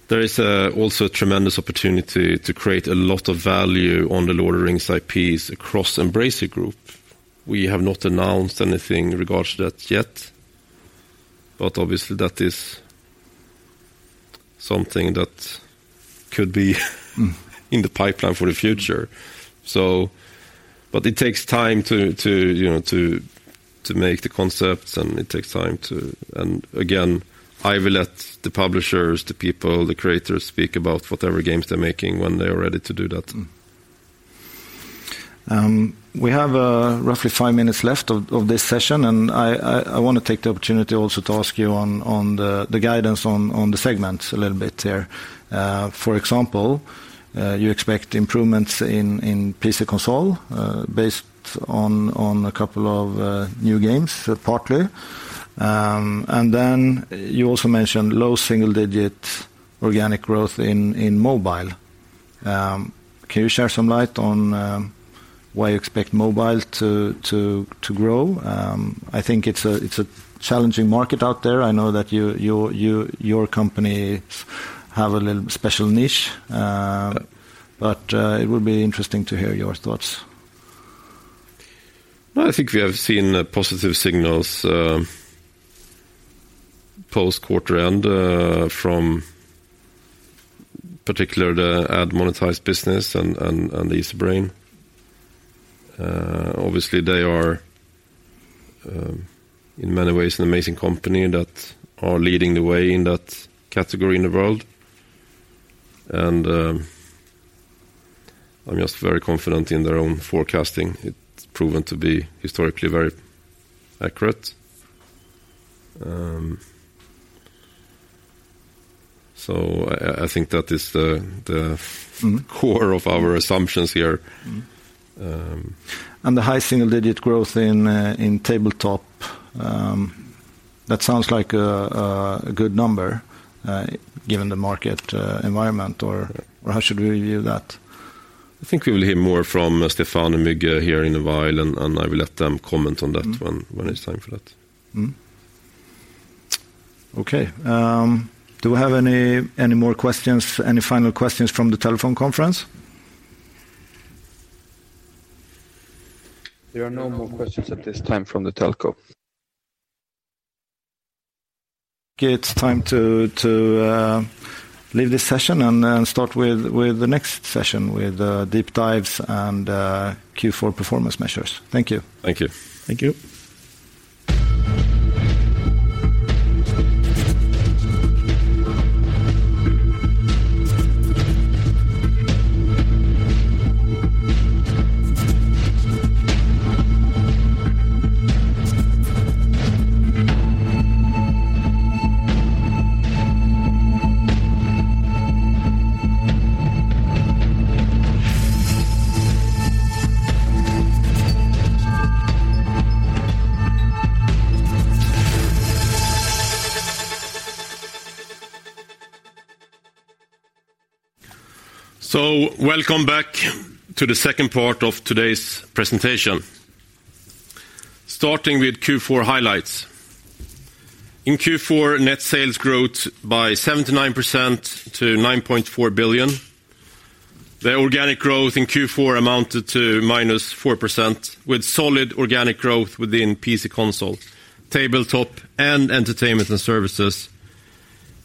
There is also a tremendous opportunity to create a lot of value on The Lord of the Rings IPs across Embracer Group. We have not announced anything in regards to that yet, but obviously that is something that could be in the pipeline for the future. It takes time to, you know, to make the concepts and it takes time to. Again, I will let the publishers, the people, the creators speak about whatever games they're making when they are ready to do that. We have roughly 5 minutes left of this session. I wanna take the opportunity also to ask you on the guidance on the segments a little bit here. For example, you expect improvements in PC console, based on a couple of new games partly. Then you also mentioned low single-digit organic growth in mobile. Can you share some light on why you expect mobile to grow? I think it's a challenging market out there. I know that your company have a little special niche. It would be interesting to hear your thoughts. I think we have seen positive signals, post quarter end, from particular the ad monetized business and Easybrain. Obviously they are, in many ways an amazing company that are leading the way in that category in the world. I'm just very confident in their own forecasting. It's proven to be historically very accurate. I think that is the core of our assumptions here. Mm-hmm. Um— The high single-digit growth in tabletop, that sounds like a good number given the market environment or how should we view that? I think we will hear more from Stéphane and Müge here in a while, and I will let them comment on that when it's time for that. Mm-hmm. Okay. Do we have any more questions, any final questions from the telephone conference? There are no more questions at this time from the telco. It's time to leave this session and start with the next session with deep dives and Q4 performance measures. Thank you. Thank you. Thank you. Welcome back to the second part of today's presentation. Starting with Q4 highlights. In Q4, net sales growth by 79% to 9.4 billion. The organic growth in Q4 amounted to -4% with solid organic growth within PC console, tabletop and entertainment and services,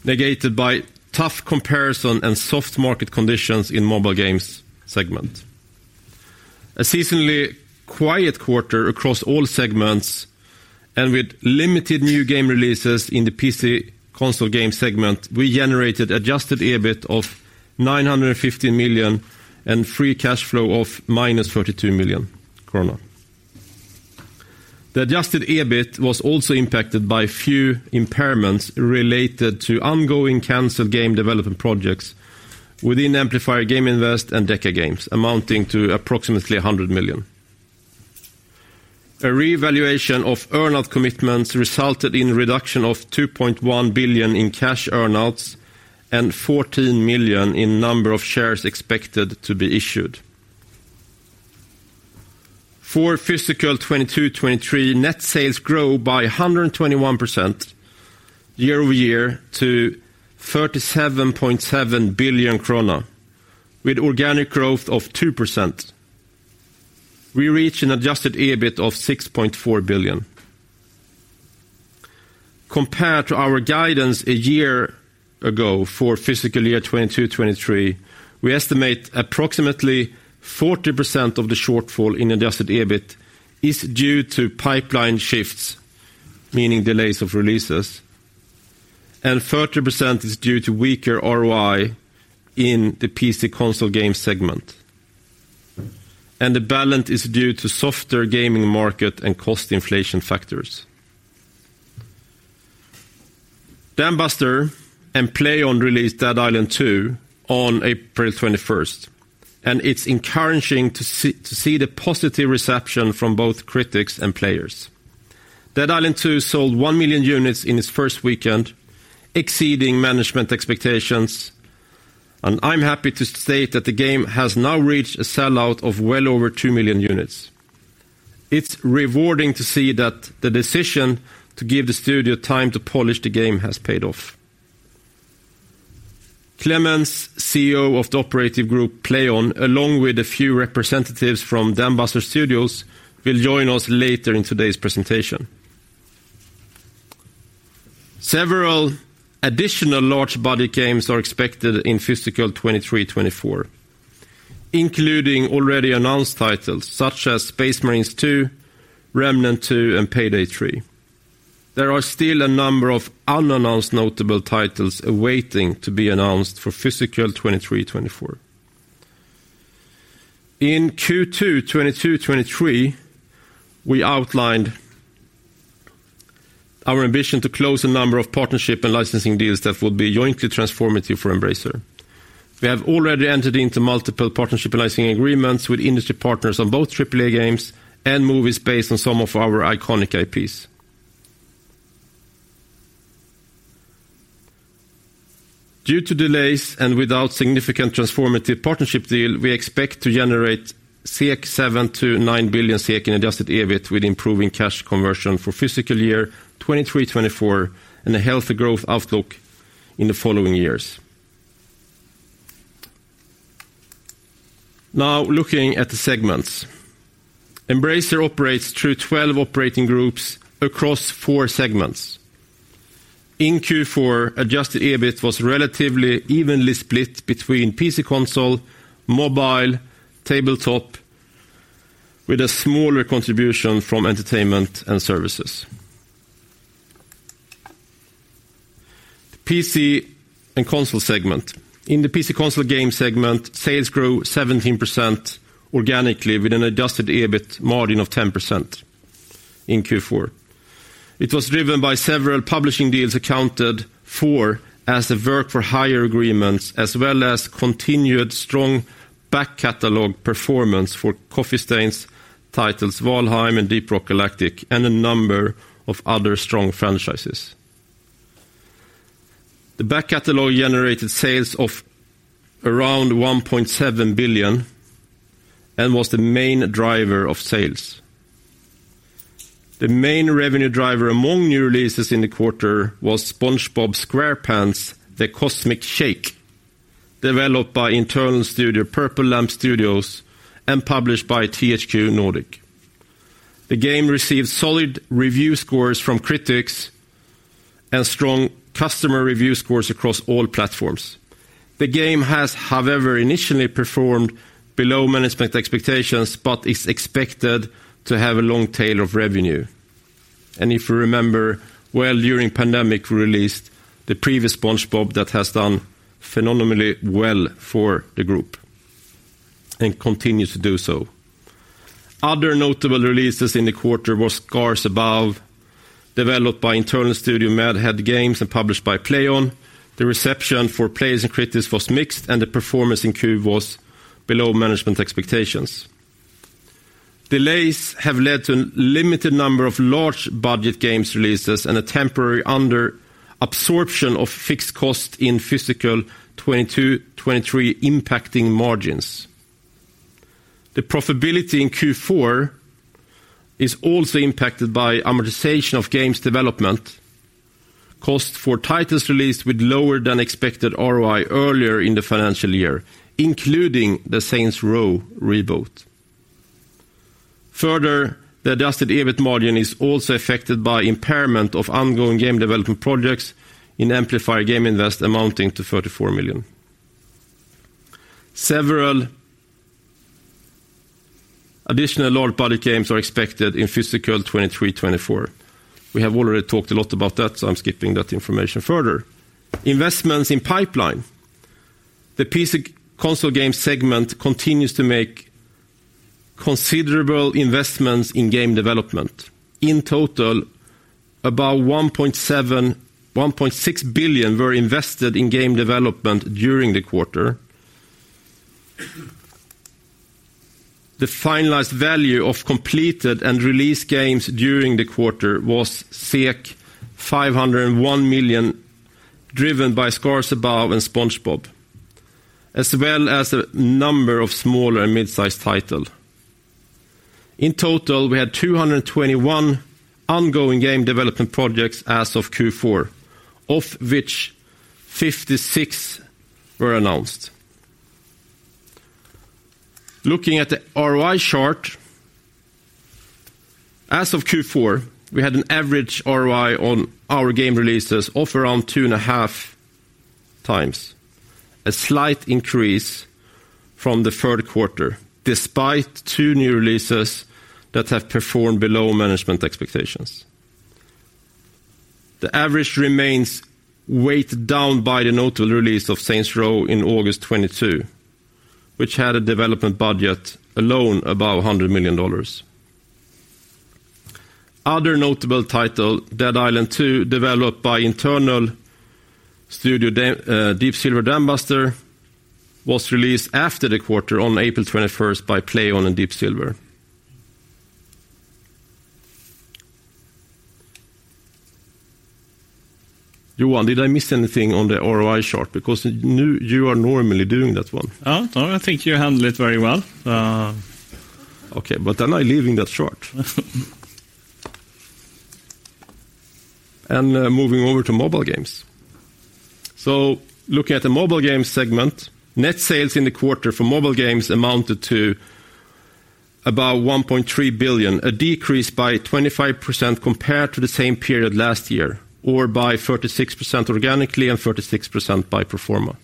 negated by tough comparison and soft market conditions in mobile games segment. A seasonally quiet quarter across all segments and with limited new game releases in the PC console game segment, we generated adjusted EBIT of 950 million and free cash flow of -32 million. The adjusted EBIT was also impacted by few impairments related to ongoing canceled game development projects within Amplifier Game Invest and DECA Games, amounting to approximately 100 million. A reevaluation of earnout commitments resulted in a reduction of 2.1 billion in cash earnouts and 14 million in number of shares expected to be issued. For fiscal 2022-2023, net sales grow by 121% year-over-year to 37.7 billion krona with organic growth of 2%. We reach an adjusted EBIT of 6.4 billion. Compared to our guidance a year ago for fiscal year 2022-2023, we estimate approximately 40% of the shortfall in adjusted EBIT is due to pipeline shifts, meaning delays of releases, and 30% is due to weaker ROI in the PC console game segment. The balance is due to softer gaming market and cost inflation factors. Dambuster and PLAION released Dead Island 2 on April 21st, and it's encouraging to see the positive reception from both critics and players. Dead Island 2 sold 1 million units in its first weekend, exceeding management expectations. I'm happy to state that the game has now reached a sellout of well over 2 million units. It's rewarding to see that the decision to give the studio time to polish the game has paid off. Klemens, CEO of the operative group PLAION, along with a few representatives from Dambuster Studios, will join us later in today's presentation. Several additional large body games are expected in physical 2023/2024, including already announced titles such as Space Marines 2, Remnant II, and Payday 3. There are still a number of unannounced notable titles awaiting to be announced for physical 2023/2024. In Q2 2022/2023, we outlined our ambition to close a number of partnership and licensing deals that will be jointly transformative for Embracer. We have already entered into multiple partnership licensing agreements with industry partners on both AAA games and movies based on some of our iconic IPs. Due to delays and without significant transformative partnership deal, we expect to generate 7 billion-9 billion in adjusted EBIT with improving cash conversion for fiscal year 2023/2024 and a healthy growth outlook in the following years. Looking at the segments. Embracer operates through 12 operating groups across four segments. In Q4, adjusted EBIT was relatively evenly split between PC console, mobile, tabletop, with a smaller contribution from entertainment and services. PC and console segment. In the PC console game segment, sales grew 17% organically with an adjusted EBIT margin of 10% in Q4. It was driven by several publishing deals accounted for as the work for hire agreements as well as continued strong back catalog performance for Coffee Stain's titles, Valheim and Deep Rock Galactic, and a number of other strong franchises. The back catalog generated sales of around 1.7 billion and was the main driver of sales. The main revenue driver among new releases in the quarter was SpongeBob SquarePants: The Cosmic Shake, developed by internal studio Purple Lamp Studios and published by THQ Nordic. The game received solid review scores from critics and strong customer review scores across all platforms. The game has, however, initially performed below management expectations, but is expected to have a long tail of revenue. If you remember, well, during pandemic, we released the previous SpongeBob that has done phenomenally well for the group and continues to do so. Other notable releases in the quarter was Scars Above, developed by internal studio Mad Head Games and published by PLAION. The reception for players and critics was mixed, the performance in Q was below management expectations. Delays have led to limited number of large budget games releases and a temporary under absorption of fixed cost in fiscal 2022/2023 impacting margins. The profitability in Q4 is also impacted by amortization of games development. Cost for titles released with lower than expected ROI earlier in the financial year, including the Saints Row reboot. The adjusted EBIT margin is also affected by impairment of ongoing game development projects in Amplifier Game Invest amounting to 34 million. Several additional large budget games are expected in fiscal 2023/2024. We have already talked a lot about that, I'm skipping that information further. Investments in pipeline. The PC console game segment continues to make considerable investments in game development. In total, about 1.6 billion were invested in game development during the quarter. The finalized value of completed and released games during the quarter was 501 million, driven by Scars Above and SpongeBob, as well as a number of smaller mid-sized title. In total, we had 221 ongoing game development projects as of Q4, of which 56 were announced. Looking at the ROI chart, as of Q4, we had an average ROI on our game releases of around 2.5x, a slight increase from the third quarter, despite two new releases that have performed below management expectations. The average remains weighted down by the notable release of Saints Row in August 2022, which had a development budget alone above $100 million. Other notable title, Dead Island 2, developed by internal studio Deep Silver Dambuster, was released after the quarter on April 21st by PLAION and Deep Silver. Johan, did I miss anything on the ROI chart because now you are normally doing that one? No, I think you handled it very well. I'm leaving that chart. Moving over to mobile games. Looking at the mobile game segment, net sales in the quarter for mobile games amounted to about 1.3 billion, a decrease by 25% compared to the same period last year, or by 36% organically and 36% by pro forma.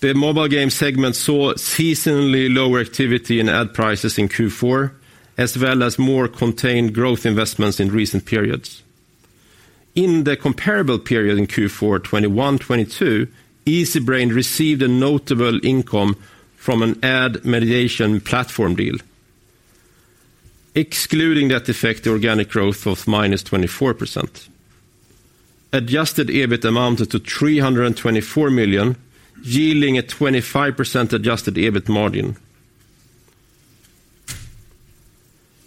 The mobile game segment saw seasonally lower activity in ad prices in Q4, as well as more contained growth investments in recent periods. In the comparable period in Q4 2021/2022, Easybrain received a notable income from an ad mediation platform deal. Excluding that effect, the organic growth of -24%. Adjusted EBIT amounted to 324 million, yielding a 25% adjusted EBIT margin.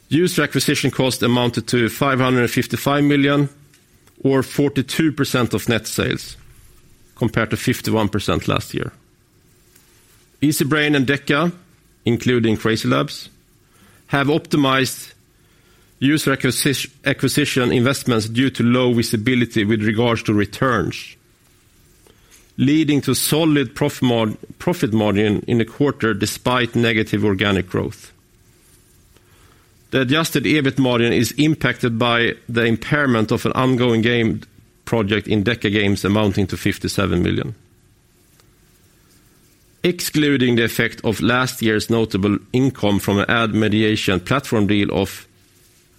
User acquisition cost amounted to 555 million or 42% of net sales, compared to 51% last year. Easybrain and DECA, including CrazyLabs, have optimized user acquisition investments due to low visibility with regards to returns, leading to solid profit margin in the quarter despite negative organic growth. The adjusted EBIT margin is impacted by the impairment of an ongoing game project in DECA Games amounting to 57 million. Excluding the effect of last year's notable income from an ad mediation platform deal of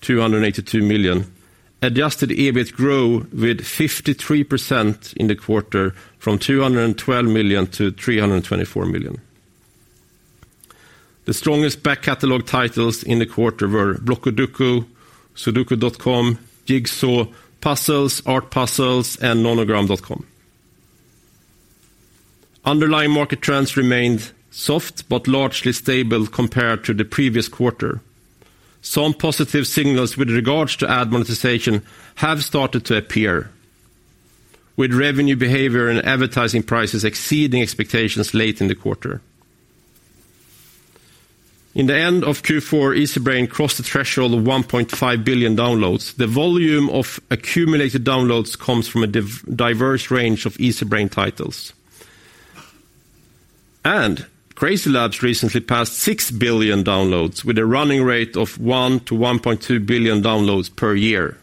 282 million, adjusted EBIT grew with 53% in the quarter from 212 million to 324 million. The strongest back catalog titles in the quarter were Blockudoku, Sudoku.com, Jigsaw Puzzles, Art Puzzle, and Nonogram.com. Underlying market trends remained soft but largely stable compared to the previous quarter. Some positive signals with regards to ad monetization have started to appear with revenue behavior and advertising prices exceeding expectations late in the quarter. In the end of Q4, Easybrain crossed the threshold of 1.5 billion downloads. The volume of accumulated downloads comes from a diverse range of Easybrain titles. CrazyLabs recently passed 6 billion downloads with a running rate of 1 billion-1.2 billion downloads per year.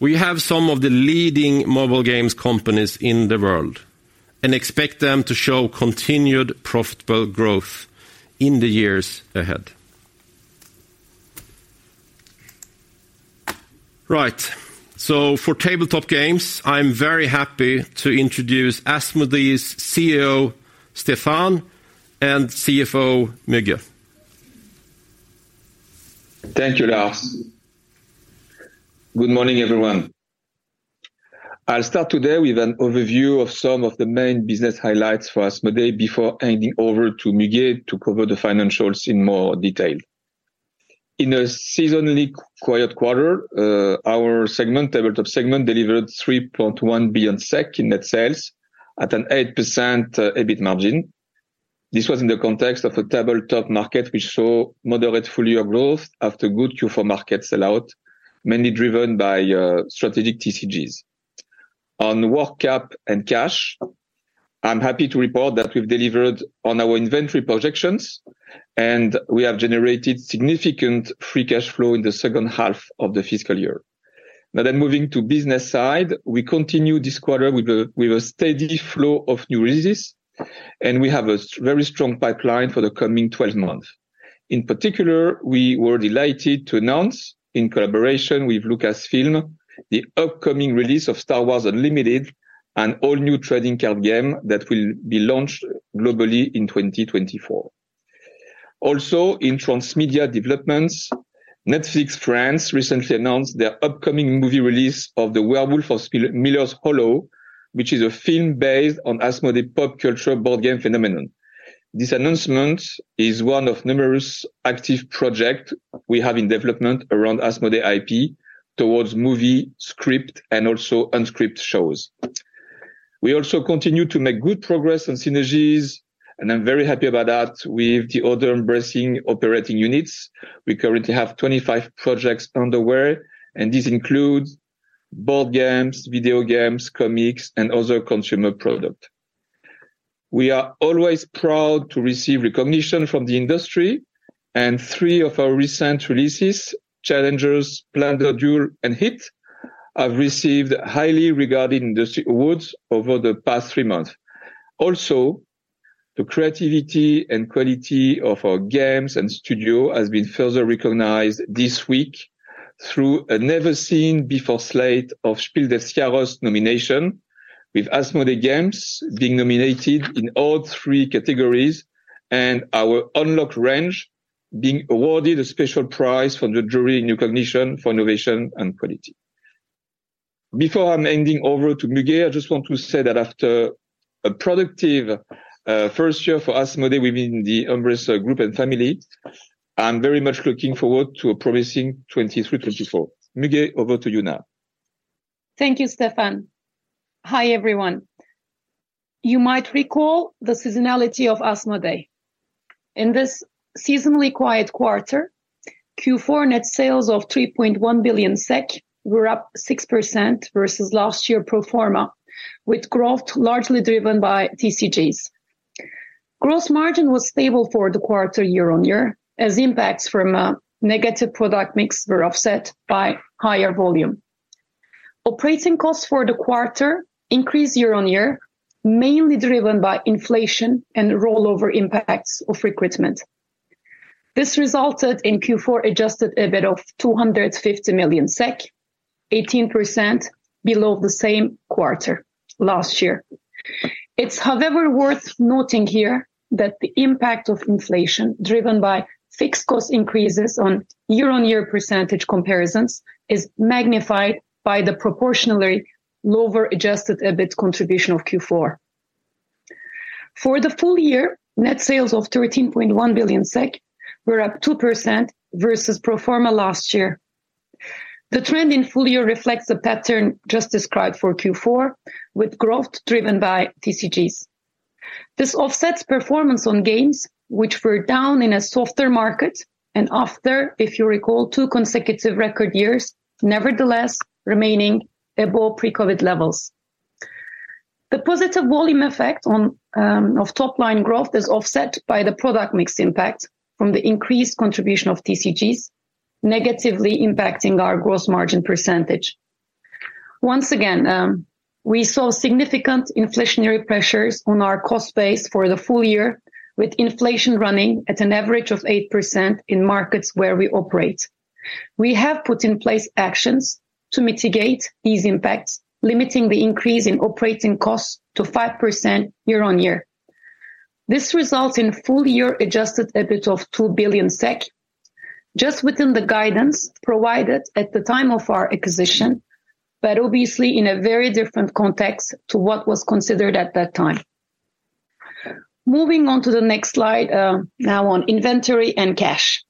We have some of the leading mobile games companies in the world and expect them to show continued profitable growth in the years ahead. Right. For tabletop games, I'm very happy to introduce Asmodee's CEO, Stéphane, and CFO, Müge. Thank you, Lars. Good morning, everyone. I'll start today with an overview of some of the main business highlights for Asmodee before handing over to Müge to cover the financials in more detail. In a seasonally quiet quarter, our segment, tabletop segment, delivered 3.1 billion SEK in net sales at an 8% EBIT margin. This was in the context of a tabletop market which saw moderate full year growth after good Q4 market sell out, mainly driven by strategic TCGs. On work cap and cash, I'm happy to report that we've delivered on our inventory projections, and we have generated significant free cash flow in the second half of the fiscal year. Moving to business side, we continue this quarter with a steady flow of new releases, and we have a very strong pipeline for the coming 12 months. In particular, we were delighted to announce, in collaboration with Lucasfilm, the upcoming release of Star Wars: Unlimited, an all new trading card game that will be launched globally in 2024. In transmedia developments, Netflix France recently announced their upcoming movie release of The Werewolf of Millers Hollow, which is a film based on Asmodee pop culture board game phenomenon. This announcement is one of numerous active project we have in development around Asmodee IP towards movie, script, and also unscript shows. We also continue to make good progress on synergies, and I'm very happy about that with the other Embracer operating units. We currently have 25 projects underway, this includes board games, video games, comics, and other consumer product. We are always proud to receive recognition from the industry. Three of our recent releases, Challengers!, Plan the Duel, and Hitster, have received highly regarded industry awards over the past three months. The creativity and quality of our games and studio has been further recognized this week through a never-seen-before slate of Spiel des Jahres nomination, with Asmodee Games being nominated in all three categories and our Unlock! range being awarded a special prize from the jury in recognition for innovation and quality. Before I'm handing over to Müge, I just want to say that after a productive first year for Asmodee within the Embracer Group and family, I'm very much looking forward to a promising 2023/2024. Müge, over to you now. Thank you, Stéphane. Hi, everyone. You might recall the seasonality of Asmodee. In this seasonally quiet quarter, Q4 net sales of 3.1 billion SEK were up 6% versus last year pro forma, with growth largely driven by TCGs. Gross margin was stable for the quarter year-on-year, as impacts from a negative product mix were offset by higher volume. Operating costs for the quarter increased year-on-year, mainly driven by inflation and rollover impacts of recruitment. This resulted in Q4 adjusted EBIT of 250 million SEK, 18% below the same quarter last year. It's however worth noting here that the impact of inflation driven by fixed cost increases on year-on-year percentage comparisons is magnified by the proportionally lower adjusted EBIT contribution of Q4. For the full year, net sales of 13.1 billion SEK were up 2% versus pro forma last year. The trend in full year reflects the pattern just described for Q4 with growth driven by TCGs. This offsets performance on gains which were down in a softer market and after, if you recall, two consecutive record years, nevertheless remaining above pre-COVID levels. The positive volume effect on of top line growth is offset by the product mix impact from the increased contribution of TCGs, negatively impacting our gross margin percent. Once again, we saw significant inflationary pressures on our cost base for the full year with inflation running at an average of 8% in markets where we operate. We have put in place actions to mitigate these impacts, limiting the increase in operating costs to 5% year-over-year. This results in full year adjusted EBIT of 2 billion SEK, just within the guidance provided at the time of our acquisition, obviously in a very different context to what was considered at that time. Moving on to the next slide, now on inventory and cash.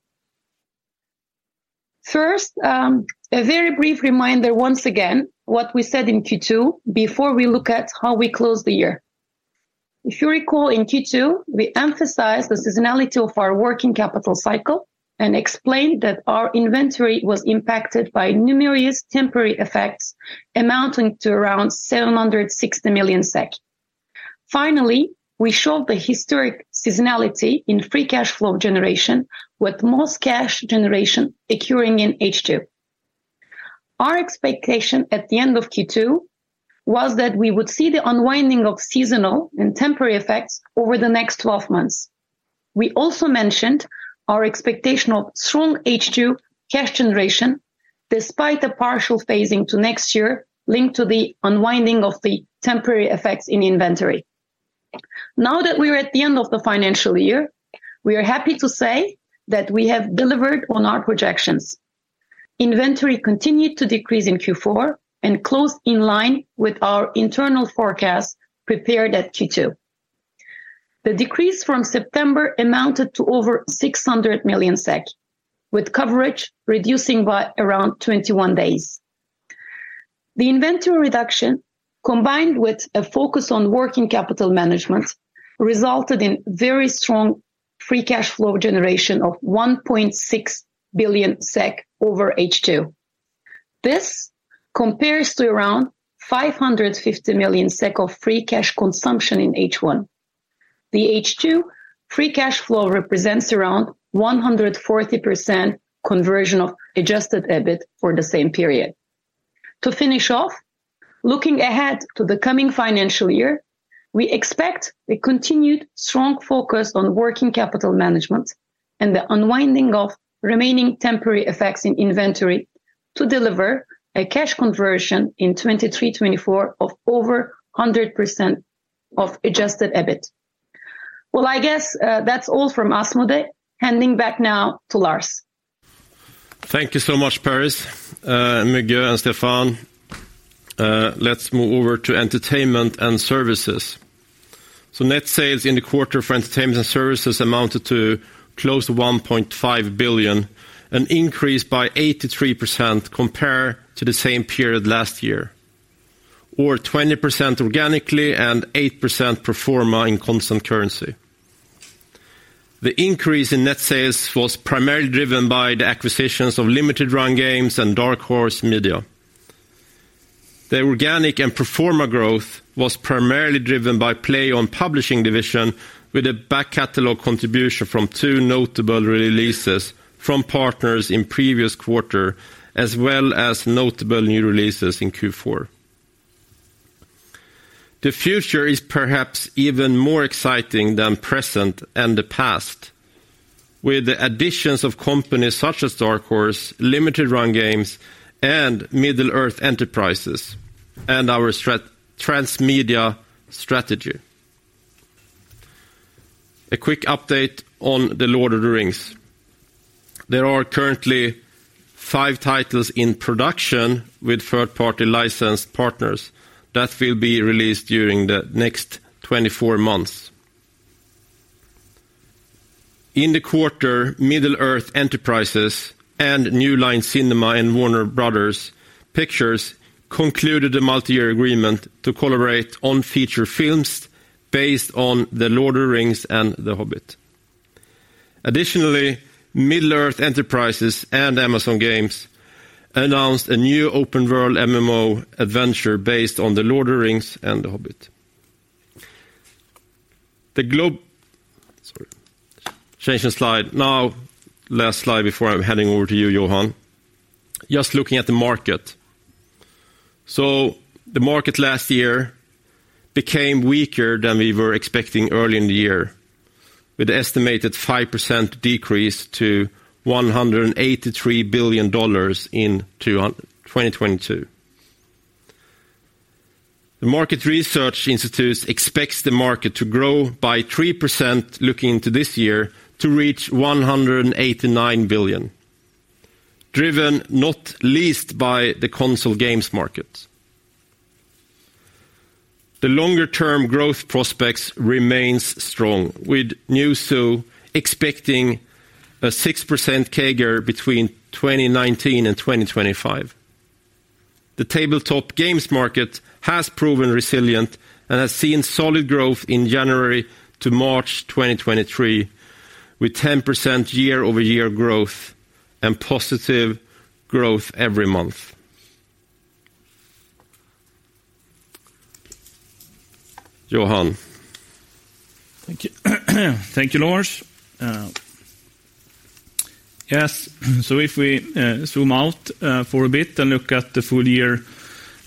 First, a very brief reminder once again what we said in Q2 before we look at how we closed the year. If you recall in Q2, we emphasized the seasonality of our working capital cycle and explained that our inventory was impacted by numerous temporary effects amounting to around 760 million. Finally, we showed the historic seasonality in free cash flow generation with most cash generation occurring in H2. Our expectation at the end of Q2 was that we would see the unwinding of seasonal and temporary effects over the next 12 months. We also mentioned our expectational strong H2 cash generation despite the partial phasing to next year linked to the unwinding of the temporary effects in inventory. Now that we are at the end of the financial year, we are happy to say that we have delivered on our projections. Inventory continued to decrease in Q4 and closed in line with our internal forecast prepared at Q2. The decrease from September amounted to over 600 million SEK, with coverage reducing by around 21 days. The inventory reduction, combined with a focus on working capital management, resulted in very strong free cash flow generation of 1.6 billion SEK over H2. This compares to around 550 million SEK of free cash consumption in H1. The H2 free cash flow represents around 140% conversion of adjusted EBIT for the same period. To finish off, looking ahead to the coming financial year, we expect a continued strong focus on working capital management and the unwinding of remaining temporary effects in inventory to deliver a cash conversion in 2023/2024 of over 100% of adjusted EBIT. Well, I guess, that's all from Asmodee. Handing back now to Lars. Thank you so much, Müge and Stéphane. Let's move over to entertainment and services. Net sales in the quarter for entertainment and services amounted to close to 1.5 billion, an increase by 83% compared to the same period last year, or 20% organically and 8% pro forma in constant currency. The increase in net sales was primarily driven by the acquisitions of Limited Run Games and Dark Horse Media. The organic and pro forma growth was primarily driven by PLAION Publishing division with a back catalog contribution from two notable releases from partners in previous quarter as well as notable new releases in Q4. The future is perhaps even more exciting than present and the past with the additions of companies such as Dark Horse, Limited Run Games, and Middle-earth Enterprises, and our transmedia strategy. A quick update on The Lord of the Rings. There are currently five titles in production with third-party licensed partners that will be released during the next 24 months. In the quarter, Middle-earth Enterprises and New Line Cinema and Warner Bros. Pictures concluded a multi-year agreement to collaborate on feature films based on The Lord of the Rings and The Hobbit. Additionally, Middle-earth Enterprises and Amazon Games announced a new open world MMO adventure based on The Lord of the Rings and The Hobbit. Sorry. Changing slide. Last slide before I'm handing over to you, Johan. Just looking at the market. The market last year became weaker than we were expecting early in the year with estimated 5% decrease to $183 billion in 2022. The market research institutes expects the market to grow by 3% looking into this year to reach 189 billion, driven not least by the console games market. The longer-term growth prospects remains strong with Newzoo expecting a 6% CAGR between 2019 and 2025. The tabletop games market has proven resilient and has seen solid growth in January to March 2023, with 10% year-over-year growth and positive growth every month. Johan. Thank you. Thank you, Lars. Yes. If we zoom out for a bit and look at the full year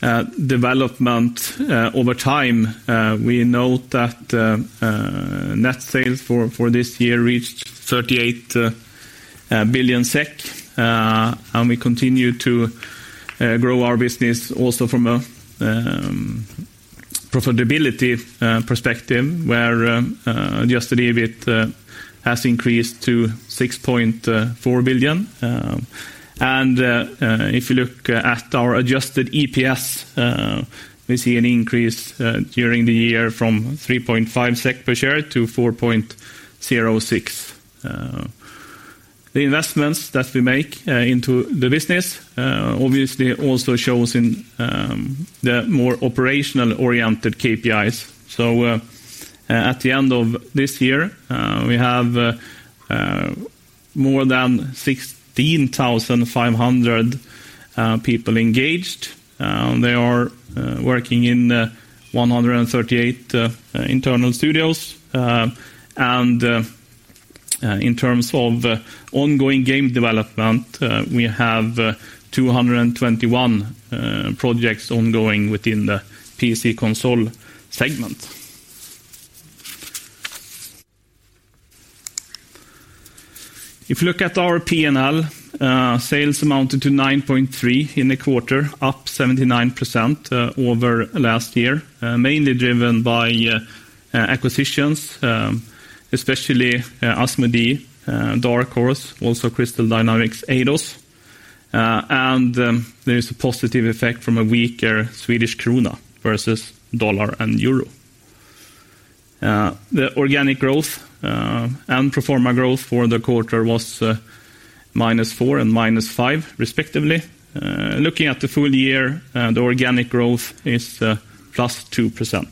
development over time, we note that net sales for this year reached 38 billion SEK, and we continue to grow our business also from a profitability perspective where adjusted EBIT has increased to 6.4 billion. If you look at our adjusted EPS, we see an increase during the year from 3.5 SEK per share to 4.06. The investments that we make into the business obviously also shows in the more operational-oriented KPIs. At the end of this year, we have more than 16,500 people engaged. They are working in 138 internal studios. In terms of ongoing game development, we have 221 projects ongoing within the PC/Console segment. If you look at our P&L, sales amounted to 9.3 billion in the quarter, up 79% over last year, mainly driven by acquisitions, especially Asmodee, Dark Horse, also Crystal Dynamics' Eidos. There is a positive effect from a weaker Swedish krona versus USD and EUR. The organic growth and pro forma growth for the quarter was -4% and -5% respectively. Looking at the full year, the organic growth is +2%.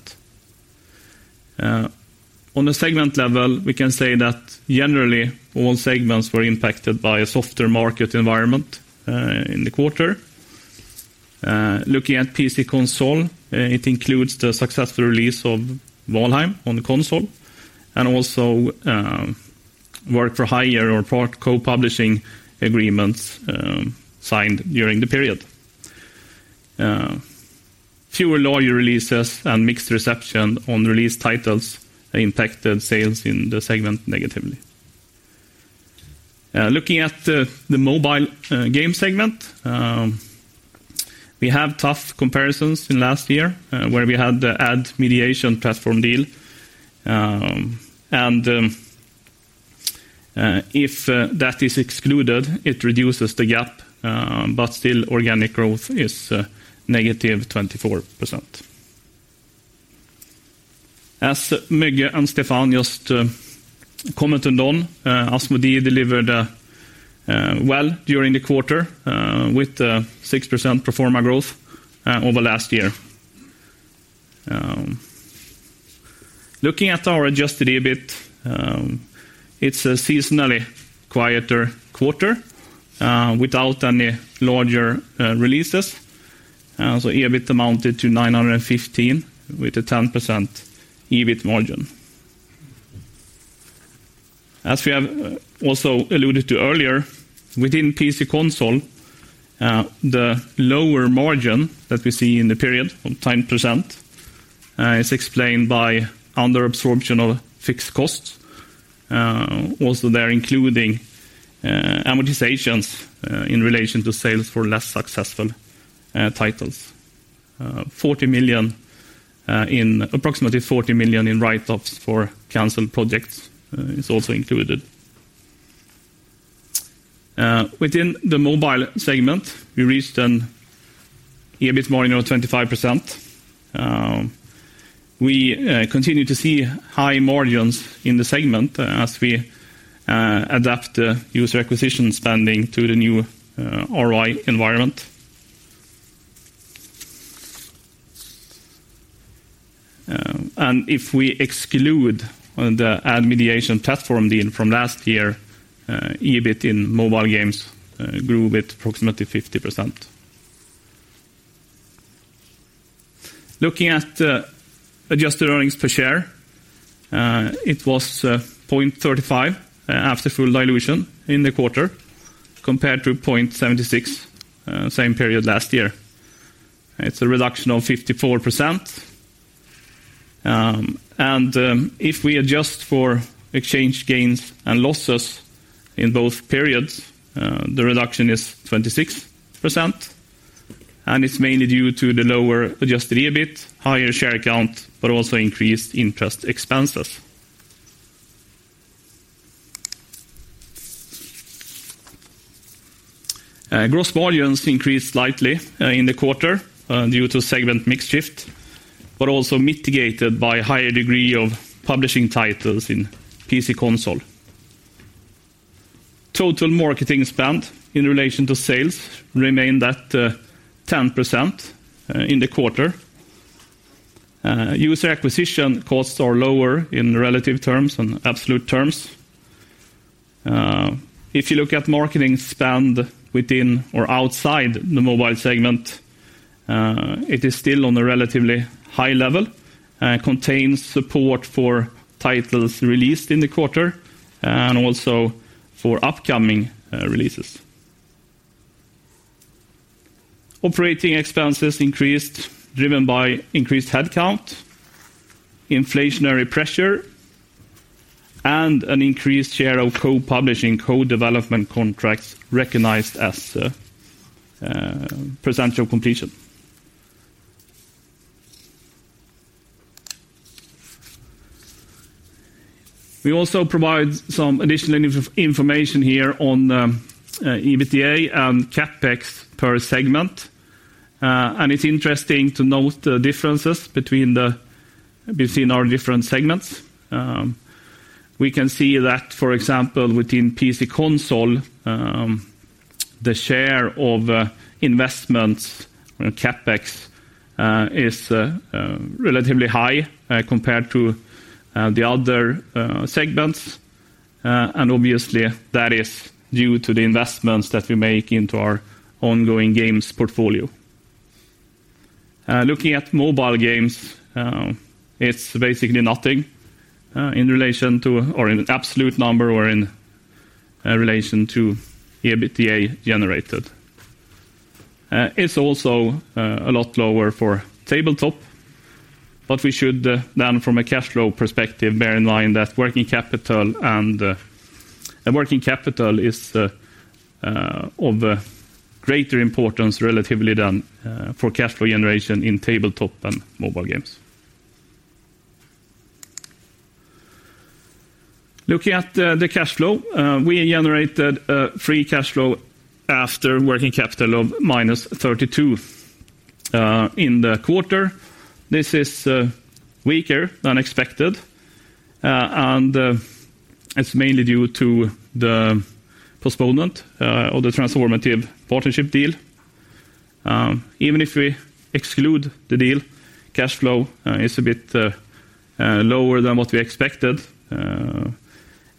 On a segment level, we can say that generally all segments were impacted by a softer market environment in the quarter. Looking at PC/Console, it includes the successful release of Valheim on the console and also work for hire or co-publishing agreements signed during the period. Fewer larger releases and mixed reception on released titles impacted sales in the segment negatively. Looking at the mobile game segment, we have tough comparisons in last year, where we had the ad mediation platform deal. If that is excluded, it reduces the gap, but still organic growth is -24%. As Müge and Stéphane just commented on, Asmodee delivered well during the quarter, with 6% pro forma growth over last year. Looking at our adjusted EBIT, it's a seasonally quieter quarter, without any larger releases. EBIT amounted to 915 with a 10% EBIT margin. As we have also alluded to earlier, within PC/Console, the lower margin that we see in the period of 10% is explained by under absorption of fixed costs. Also there including amortizations in relation to sales for less successful titles. Approximately 40 million in write-offs for canceled projects is also included. Within the mobile segment, we reached an EBIT margin of 25%. We continue to see high margins in the segment as we adapt the user acquisition spending to the new ROI environment. If we exclude the ad mediation platform deal from last year, EBIT in mobile games grew with approximately 50%. Looking at Adjusted earnings per share, it was 0.35 after full dilution in the quarter compared to 0.76 same period last year. It's a reduction of 54%. If we adjust for exchange gains and losses in both periods, the reduction is 26%, and it's mainly due to the lower adjusted EBIT, higher share count, but also increased interest expenses. Gross volumes increased slightly in the quarter due to segment mix shift, but also mitigated by higher degree of publishing titles in PC console. Total marketing spend in relation to sales remained at 10% in the quarter. User acquisition costs are lower in relative terms and absolute terms. If you look at marketing spend within or outside the mobile segment, it is still on a relatively high level, contains support for titles released in the quarter and also for upcoming releases. Operating expenses increased, driven by increased headcount, inflationary pressure, and an increased share of co-publishing, co-development contracts recognized as percentage of completion. We also provide some additional information here on EBITDA and CapEx per segment. It's interesting to note the differences between our different segments. We can see that, for example, within PC console, the share of investments and CapEx is relatively high compared to the other segments. Obviously that is due to the investments that we make into our ongoing games portfolio. Looking at mobile games, it's basically nothing in relation to or in absolute number or in relation to EBITDA generated. It's also a lot lower for tabletop, but we should then from a cash flow perspective bear in mind that Working capital is of greater importance relatively than for cash flow generation in tabletop and mobile games. Looking at the cash flow, we generated a free cash flow after working capital of -32 SEK in the quarter. This is weaker than expected. It's mainly due to the postponement or the transformative partnership deal. Even if we exclude the deal, cash flow is a bit lower than what we expected,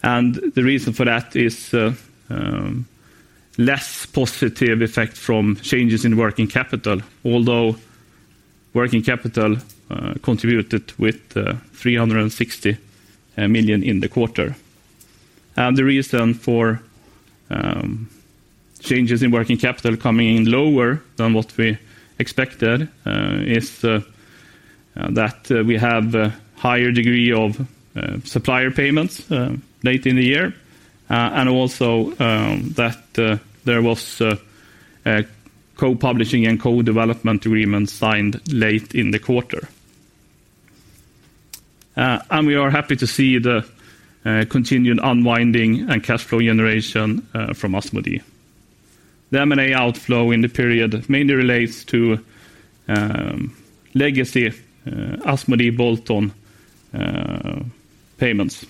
and the reason for that is less positive effect from changes in working capital. Although working capital contributed with 360 million in the quarter. The reason for changes in working capital coming in lower than what we expected is that we have a higher degree of supplier payments late in the year, and also that there was co-publishing and co-development agreements signed late in the quarter. We are happy to see the continued unwinding and cash flow generation from Asmodee. The M&A outflow in the period mainly relates to legacy Asmodee bolt-on payments.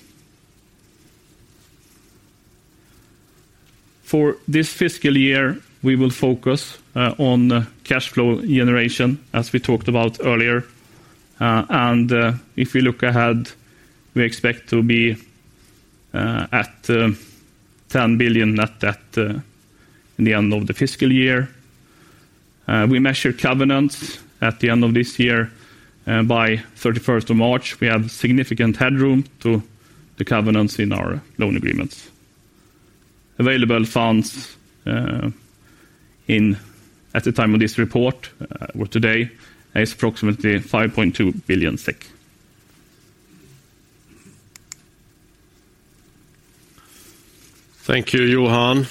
For this fiscal year, we will focus on cash flow generation, as we talked about earlier. If we look ahead, we expect to be at 10 billion net debt in the end of the fiscal year. We measure covenants at the end of this year by 31st of March. We have significant headroom to the covenants in our loan agreements. Available funds at the time of this report or today, is approximately SEK 5.2 billion. Thank you, Johan.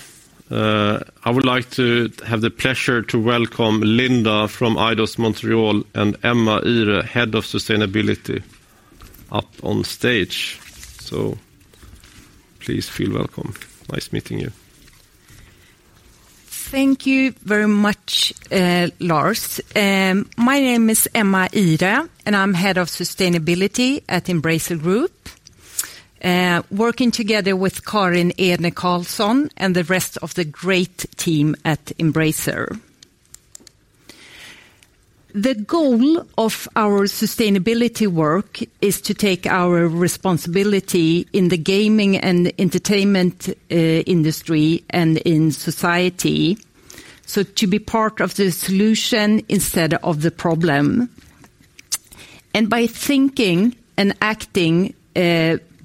I would like to have the pleasure to welcome Linda from Eidos-Montréal and Emma Ihre, Head of Sustainability, up on stage. Please feel welcome. Nice meeting you. Thank you very much, Lars. My name is Emma Ihre, and I'm Head of Sustainability at Embracer Group, working together with Karin Edner Karlsson and the rest of the great team at Embracer. The goal of our sustainability work is to take our responsibility in the gaming and entertainment industry and in society, so to be part of the solution instead of the problem. By thinking and acting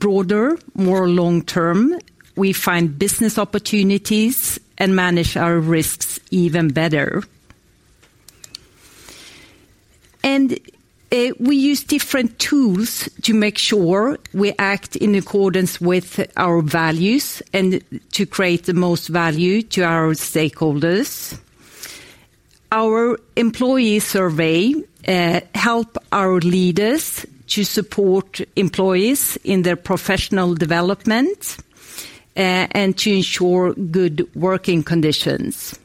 broader, more long-term, we find business opportunities and manage our risks even better. We use different tools to make sure we act in accordance with our values and to create the most value to our stakeholders. Our employee survey help our leaders to support employees in their professional development and to ensure good working conditions.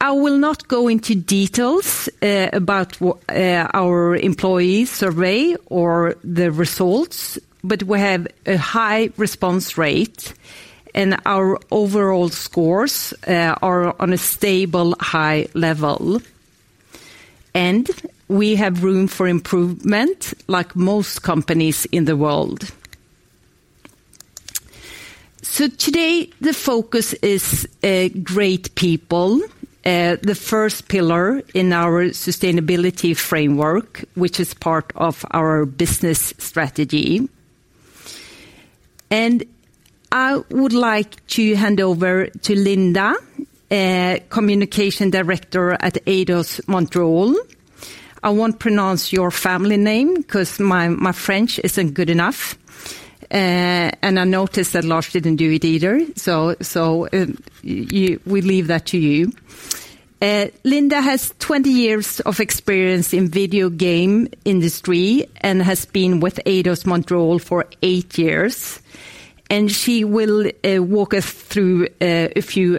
I will not go into details, about what our employee survey or the results, but we have a high response rate, and our overall scores are on a stable high level. We have room for improvement like most companies in the world. Today the focus is great people, the first pillar in our sustainability framework, which is part of our business strategy. I would like to hand over to Linda, Communication Director at Eidos-Montréal. I won't pronounce your family name 'cause my French isn't good enough. I noticed that Lars didn't do it either, so we leave that to you. Linda has 20 years of experience in video game industry and has been with Eidos-Montréal for eight years, and she will walk us through a few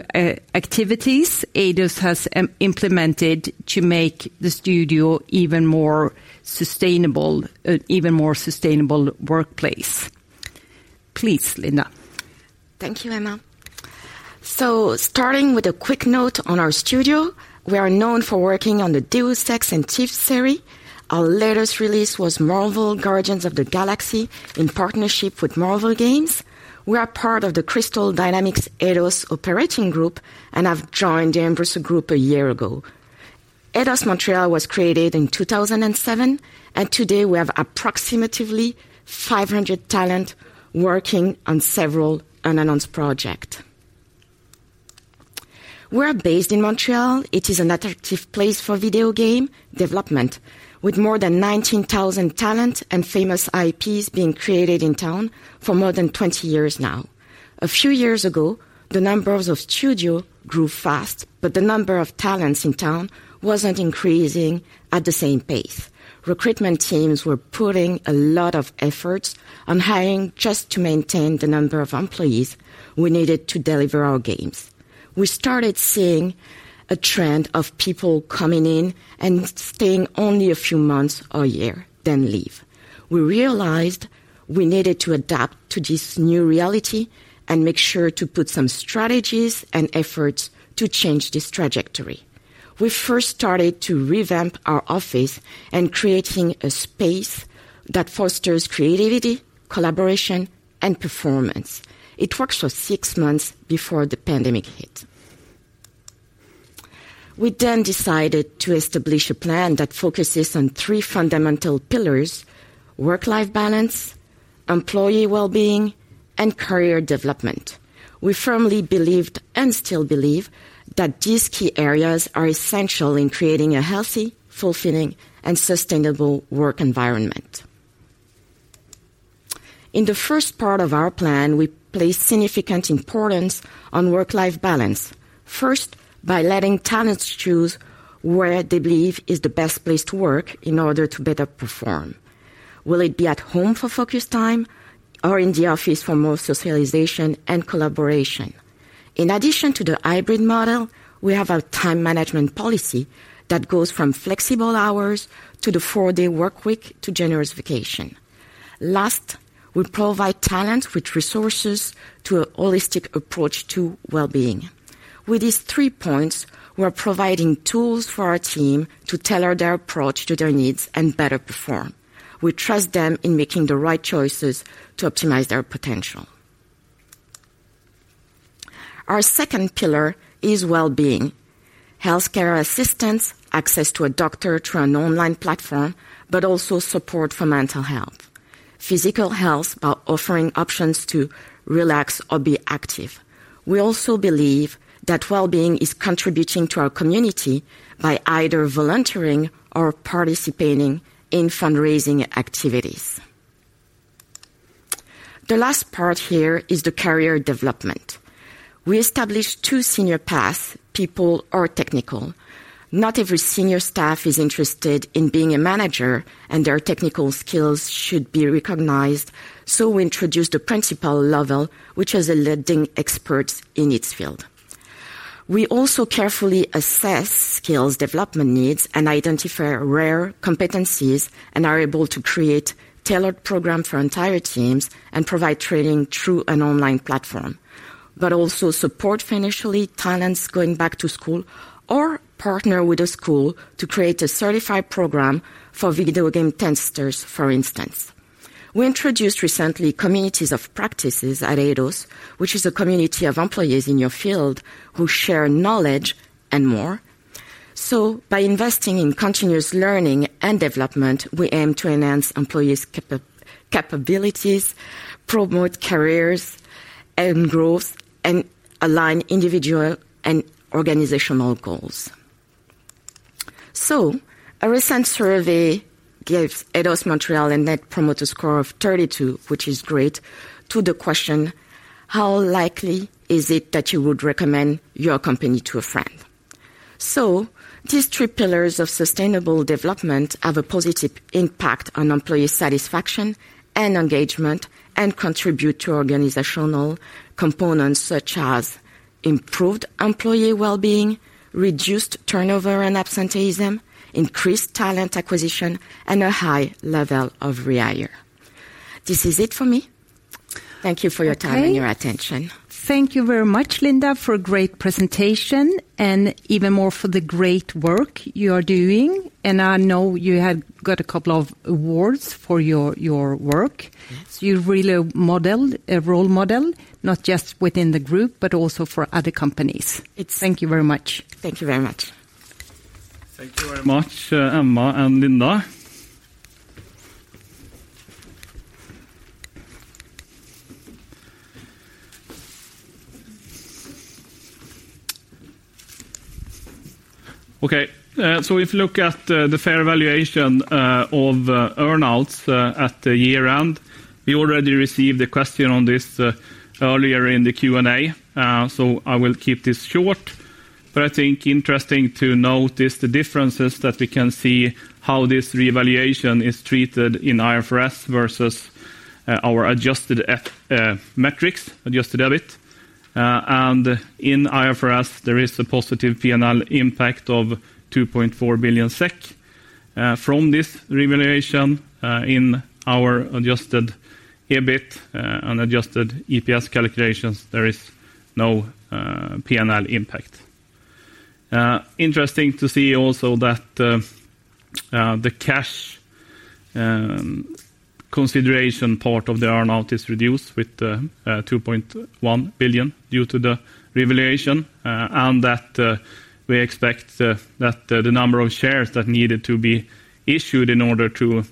activities Eidos has implemented to make the studio even more sustainable workplace. Please, Linda. Thank you, Emma. Starting with a quick note on our studio. We are known for working on the Deus Ex and Thief series. Our latest release was Marvel Guardians of the Galaxy in partnership with Marvel Games. We are part of the Crystal Dynamics Eidos Operating Group and have joined the Embracer Group a year ago. Eidos-Montréal was created in 2007, today we have approximately 500 talent working on several unannounced project. We're based in Montreal. It is an attractive place for video game development, with more than 19,000 talent and famous IPs being created in town for more than 20 years now. A few years ago, the numbers of studio grew fast, the number of talents in town wasn't increasing at the same pace. Recruitment teams were putting a lot of efforts on hiring just to maintain the number of employees we needed to deliver our games. We started seeing a trend of people coming in and staying only a few months or a year, then leave. We realized we needed to adapt to this new reality and make sure to put some strategies and efforts to change this trajectory. We first started to revamp our office and creating a space that fosters creativity, collaboration, and performance. It worked for six months before the pandemic hit. We then decided to establish a plan that focuses on three fundamental pillars: work-life balance, employee wellbeing, and career development. We firmly believed, and still believe, that these key areas are essential in creating a healthy, fulfilling, and sustainable work environment. In the first part of our plan, we place significant importance on work-life balance. First, by letting talents choose where they believe is the best place to work in order to better perform. Will it be at home for focus time or in the office for more socialization and collaboration? In addition to the hybrid model, we have a time management policy that goes from flexible hours to the four-day workweek to generous vacation. Last, we provide talent with resources to a holistic approach to wellbeing. With these three points, we're providing tools for our team to tailor their approach to their needs and better perform. We trust them in making the right choices to optimize their potential. Our second pillar is wellbeing. Healthcare assistance, access to a doctor through an online platform, but also support for mental health. Physical health by offering options to relax or be active. We also believe that wellbeing is contributing to our community by either volunteering or participating in fundraising activities. The last part here is the career development. We established two senior paths: people or technical. Not every senior staff is interested in being a manager, and their technical skills should be recognized. We introduced a principal level, which is a leading expert in its field. We also carefully assess skills development needs and identify rare competencies and are able to create tailored program for entire teams and provide training through an online platform, but also support financially talents going back to school or partner with a school to create a certified program for video game testers, for instance. We introduced recently communities of practices at Eidos, which is a community of employees in your field who share knowledge and more. By investing in continuous learning and development, we aim to enhance employees' capabilities, promote careers and growth, and align individual and organizational goals. A recent survey gave Eidos-Montréal a Net Promoter Score of 32, which is great to the question: How likely is it that you would recommend your company to a friend? These three pillars of sustainable development have a positive impact on employee satisfaction and engagement and contribute to organizational components such as improved employee well-being, reduced turnover and absenteeism, increased talent acquisition, and a high level of rehire. This is it for me. Thank you for your time— Okay. —and your attention. Thank you very much, Linda, for a great presentation and even more for the great work you are doing. I know you have got a couple of awards for your work. You're really a model, a role model, not just within the group, but also for other companies. It's— Thank you very much. Thank you very much. Thank you very much, Emma and Linda. If you look at the fair valuation of earnouts at the year-end, we already received a question on this earlier in the Q&A, so I will keep this short. But I think interesting to note is the differences that we can see how this revaluation is treated in IFRS versus our adjusted metrics, adjusted EBIT. In IFRS there is a positive P&L impact of 2.4 billion SEK from this revaluation. In our adjusted EBIT, unadjusted EPS calculations there is no P&L impact Interesting to see also that the cash consideration part of the earnout is reduced with 2.1 billion due to the revaluation, and that we expect that the number of shares that needed to be issued in order to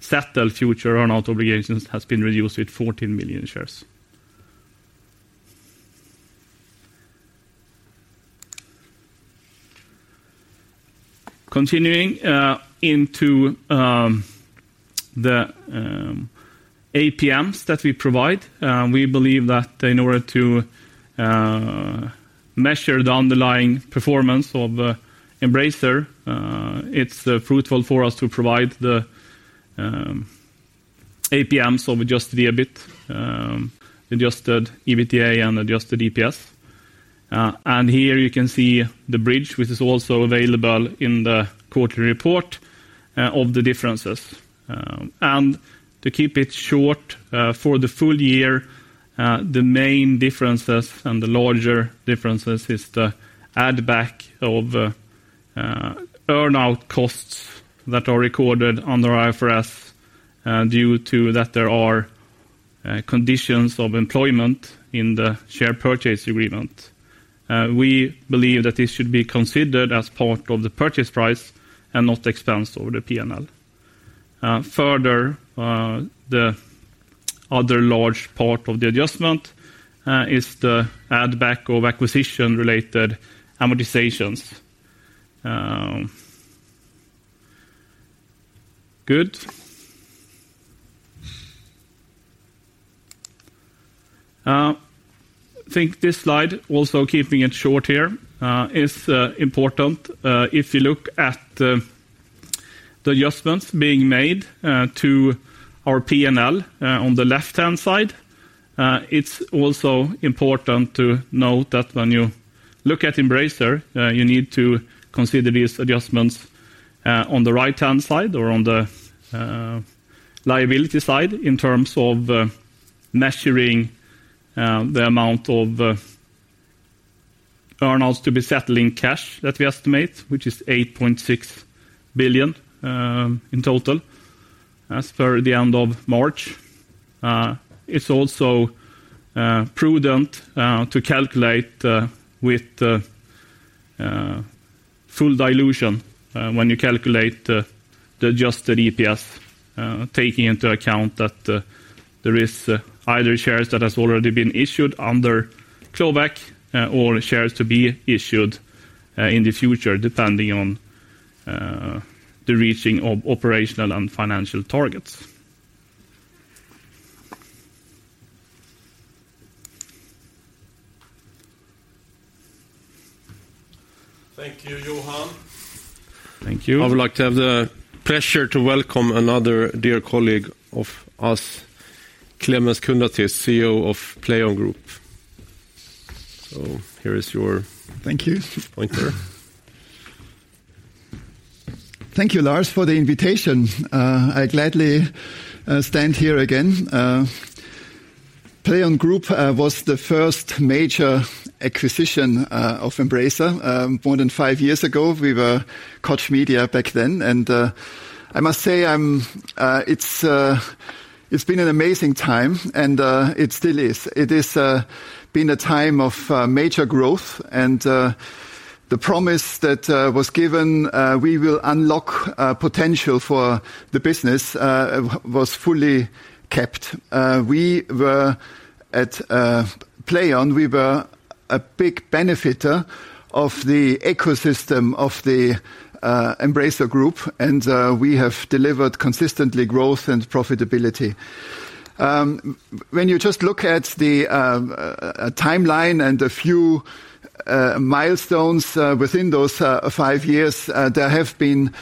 settle future earnout obligations has been reduced with 14 million shares. Continuing into the APMs that we provide, we believe that in order to measure the underlying performance of Embracer, it's fruitful for us to provide the APMs of adjusted EBIT, adjusted EBITDA and adjusted EPS. Here you can see the bridge, which is also available in the quarterly report, of the differences. To keep it short, for the full year, the main differences and the larger differences is the add-back of earnout costs that are recorded under IFRS, due to that there are conditions of employment in the share purchase agreement. We believe that this should be considered as part of the purchase price and not expense over the P&L. Further, the other large part of the adjustment, is the add-back of acquisition-related amortizations. Good. Think this slide also keeping it short here, is important. If you look at the adjustments being made to our P&L on the left-hand side, it's also important to note that when you look at Embracer, you need to consider these adjustments on the right-hand side or on the liability side in terms of measuring the amount of earnouts to be settled in cash that we estimate, which is 8.6 billion in total as per the end of March. It's also prudent to calculate with full dilution when you calculate the adjusted EPS, taking into account that there is either shares that has already been issued under clawback or shares to be issued in the future depending on the reaching of operational and financial targets. Thank you, Johan. Thank you. I would like to have the pleasure to welcome another dear colleague of us, Klemens Kundratitz, CEO of PLAION Group. Thank you. Here's your pointer. Thank you, Lars, for the invitation. I gladly stand here again. PLAION Group was the first major acquisition of Embracer more than five years ago. We were Koch Media back then. I must say it's been an amazing time, and it still is. It is been a time of major growth and the promise that was given, we will unlock potential for the business, was fully kept. We were at PLAION, we were a big benefiter of the ecosystem of the Embracer Group. We have delivered consistently growth and profitability. When you just look at the a timeline and a few milestones within those five years, there have been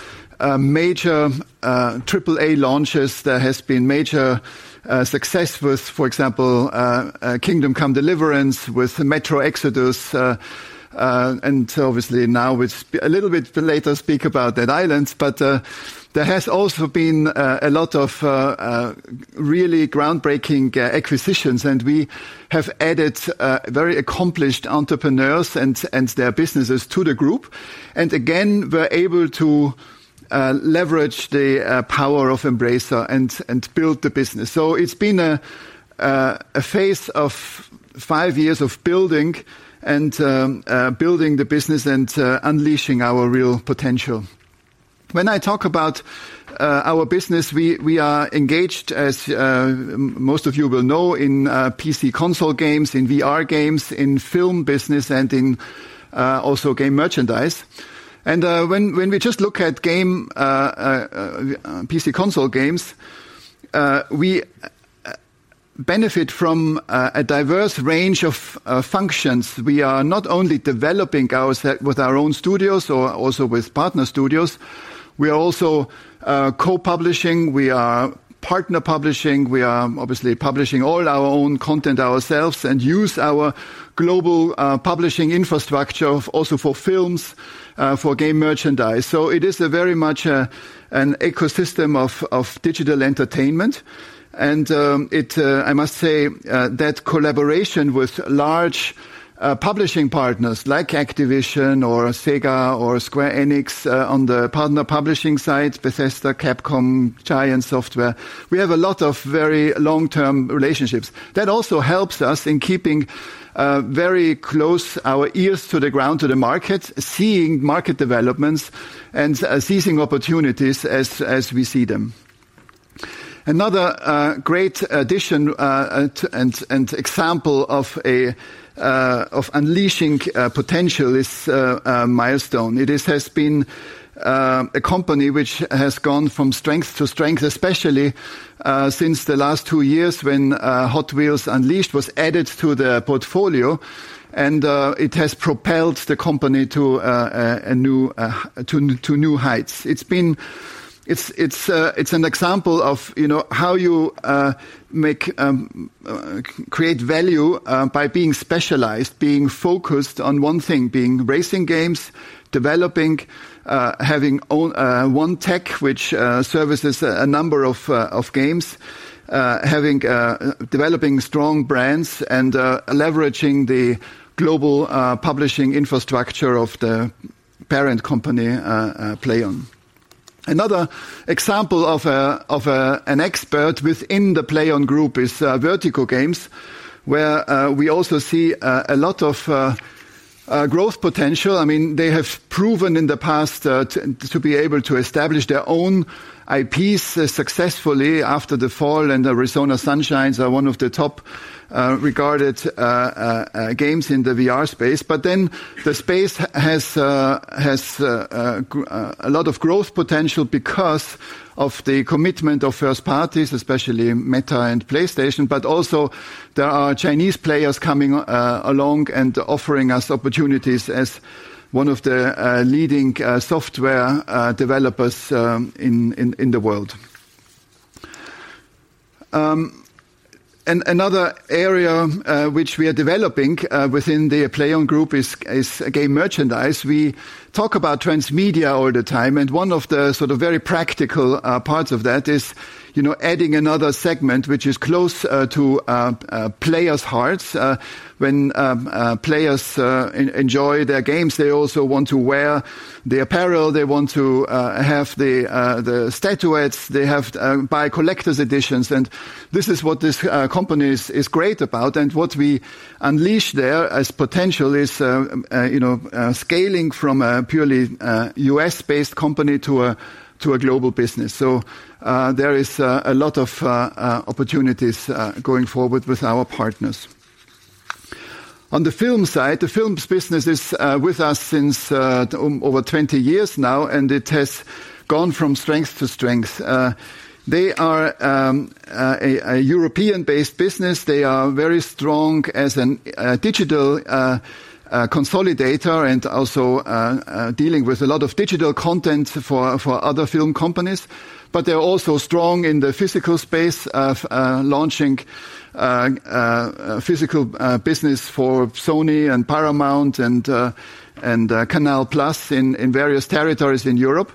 major AAA launches. There has been major success with, for example, Kingdom Come: Deliverance, with Metro Exodus, and obviously now with a little bit later speak about Dead Island. There has also been a lot of really groundbreaking acquisitions, and we have added very accomplished entrepreneurs and their businesses to the group. Again, we're able to leverage the power of Embracer and build the business. It's been a phase of five years of building the business and unleashing our real potential. When I talk about our business, we are engaged, as most of you will know, in PC console games, in VR games, in film business, and in also game merchandise. When we just look at game PC console games, we benefit from a diverse range of functions. We are not only developing with our own studios or also with partner studios, we are also co-publishing, we are partner publishing. We are obviously publishing all our own content ourselves and use our global publishing infrastructure also for films, for game merchandise. It is a very much an ecosystem of digital entertainment. It, I must say, that collaboration with large publishing partners like Activision or Sega or Square Enix, on the partner publishing side, Bethesda, Capcom, Giants Software, we have a lot of very long-term relationships. That also helps us in keeping very close our ears to the ground, to the market, seeing market developments and seizing opportunities as we see them. Another great addition and example of a of unleashing potential is Milestone. It has been a company which has gone from strength to strength, especially since the last two years when Hot Wheels Unleashed was added to their portfolio and it has propelled the company to a new to new heights. You know, how you make create value by being specialized, being focused on one thing, being racing games, developing, having own one tech which services a number of games, developing strong brands and leveraging the global publishing infrastructure of the parent company, PLAION. Another example of an expert within the PLAION Group is Vertigo Games, where we also see a lot of growth potential. I mean, they have proven in the past to be able to establish their own IPs successfully. After the Fall and Arizona Sunshine are one of the top regarded games in the VR space The space has a lot of growth potential because of the commitment of first parties, especially Meta and PlayStation. Also there are Chinese players coming along and offering us opportunities as one of the leading software developers in the world. Another area which we are developing within the PLAION Group is game merchandise. We talk about transmedia all the time, and one of the sort of very practical parts of that is, you know, adding another segment which is close to players' hearts. When players enjoy their games, they also want to wear the apparel, they want to have the statuettes, they buy collector's editions. This is what this company is great about. What we unleash there as potential is, you know, scaling from a purely U.S.-based company to a global business. There is a lot of opportunities going forward with our partners. On the film side, the films business is with us since over 20 years now, and it has gone from strength to strength. They are a European-based business. They are very strong as an digital consolidator and also dealing with a lot of digital content for other film companies. They're also strong in the physical space of launching physical business for Sony and Paramount and Canal+ in various territories in Europe.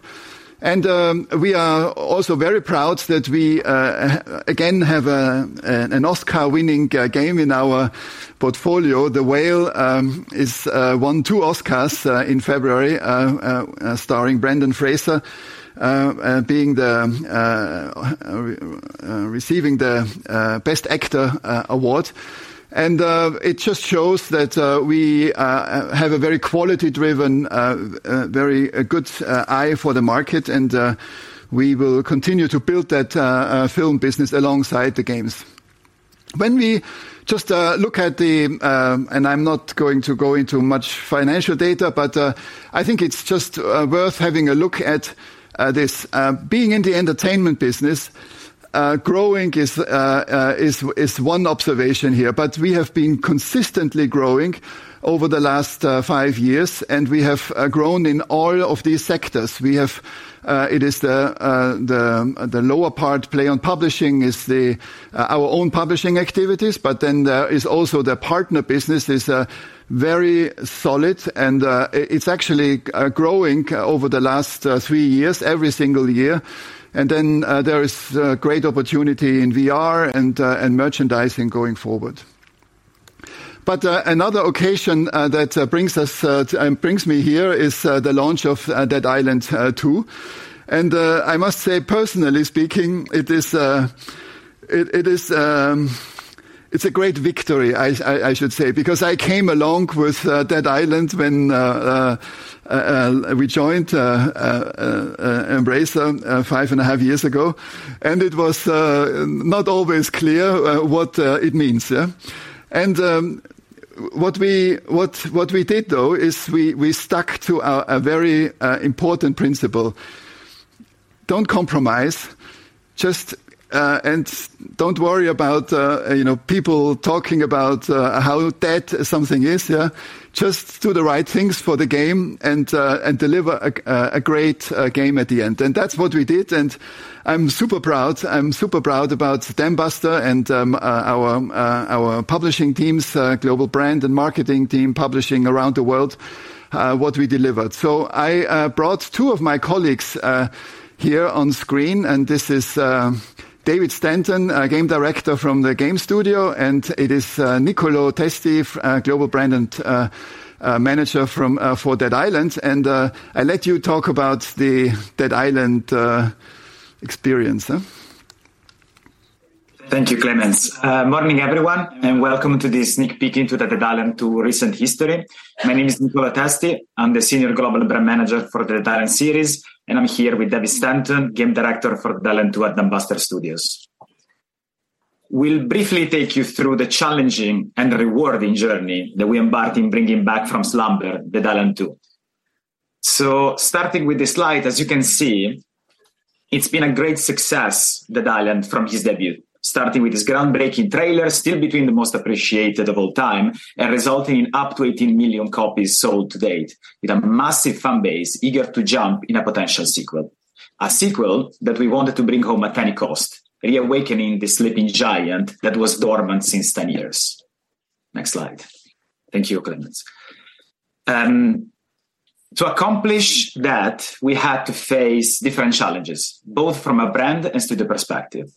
We are also very proud that we again have an Oscar-winning game in our portfolio. The Whale won two Oscars in February, starring Brendan Fraser, receiving the Best Actor Award. It just shows that we have a very quality-driven, good eye for the market. We will continue to build that film business alongside the games. When we just look at the, I'm not going to go into much financial data, I think it's just worth having a look at this. Being in the entertainment business, growing is one observation here. We have been consistently growing over the last, five years, and we have grown in all of these sectors. We have, it is the lower part PLAION publishing is our own publishing activities, but then there is also the partner business is very solid and it's actually growing over the last three years, every single year. There is great opportunity in VR and merchandising going forward. Another occasion that brings us brings me here is the launch of Dead Island 2. I must say, personally speaking, it is, it's a great victory I should say, because I came along with Dead Island when Embracer five and a half years ago, and it was not always clear what it means, yeah? What we did though is we stuck to our a very important principle: don't compromise. Just and don't worry about, you know, people talking about how dead something is, yeah? Just do the right things for the game and deliver a great game at the end. That's what we did, and I'm super proud. I'm super proud about Dambuster and our publishing teams global brand and marketing team publishing around the world what we delivered. I brought two of my colleagues here on screen, and this is David Stenton, a Game Director from the game studio, and it is Nicoló Testi, Global Brand and Manager from for Dead Island. I'll let you talk about the Dead Island experience. Thank you, Klemens. Welcome to this sneak peek into the Dead Island 2 recent history. My name is Nicoló Testi. I'm the senior global brand manager for the Dead Island series, I'm here with David Stenton, game director for Dead Island 2 at Dambuster Studios. We'll briefly take you through the challenging and rewarding journey that we embarked in bringing back from slumber Dead Island 2. Starting with this slide, as you can see, it's been a great success, Dead Island, from his debut, starting with his groundbreaking trailer, still between the most appreciated of all time, resulting in up to 18 million copies sold to date, with a massive fan base eager to jump in a potential sequel. A sequel that we wanted to bring home at any cost, reawakening the sleeping giant that was dormant since 10 years. Next slide. Thank you, Klemens. To accomplish that, we had to face different challenges, both from a brand and studio perspective.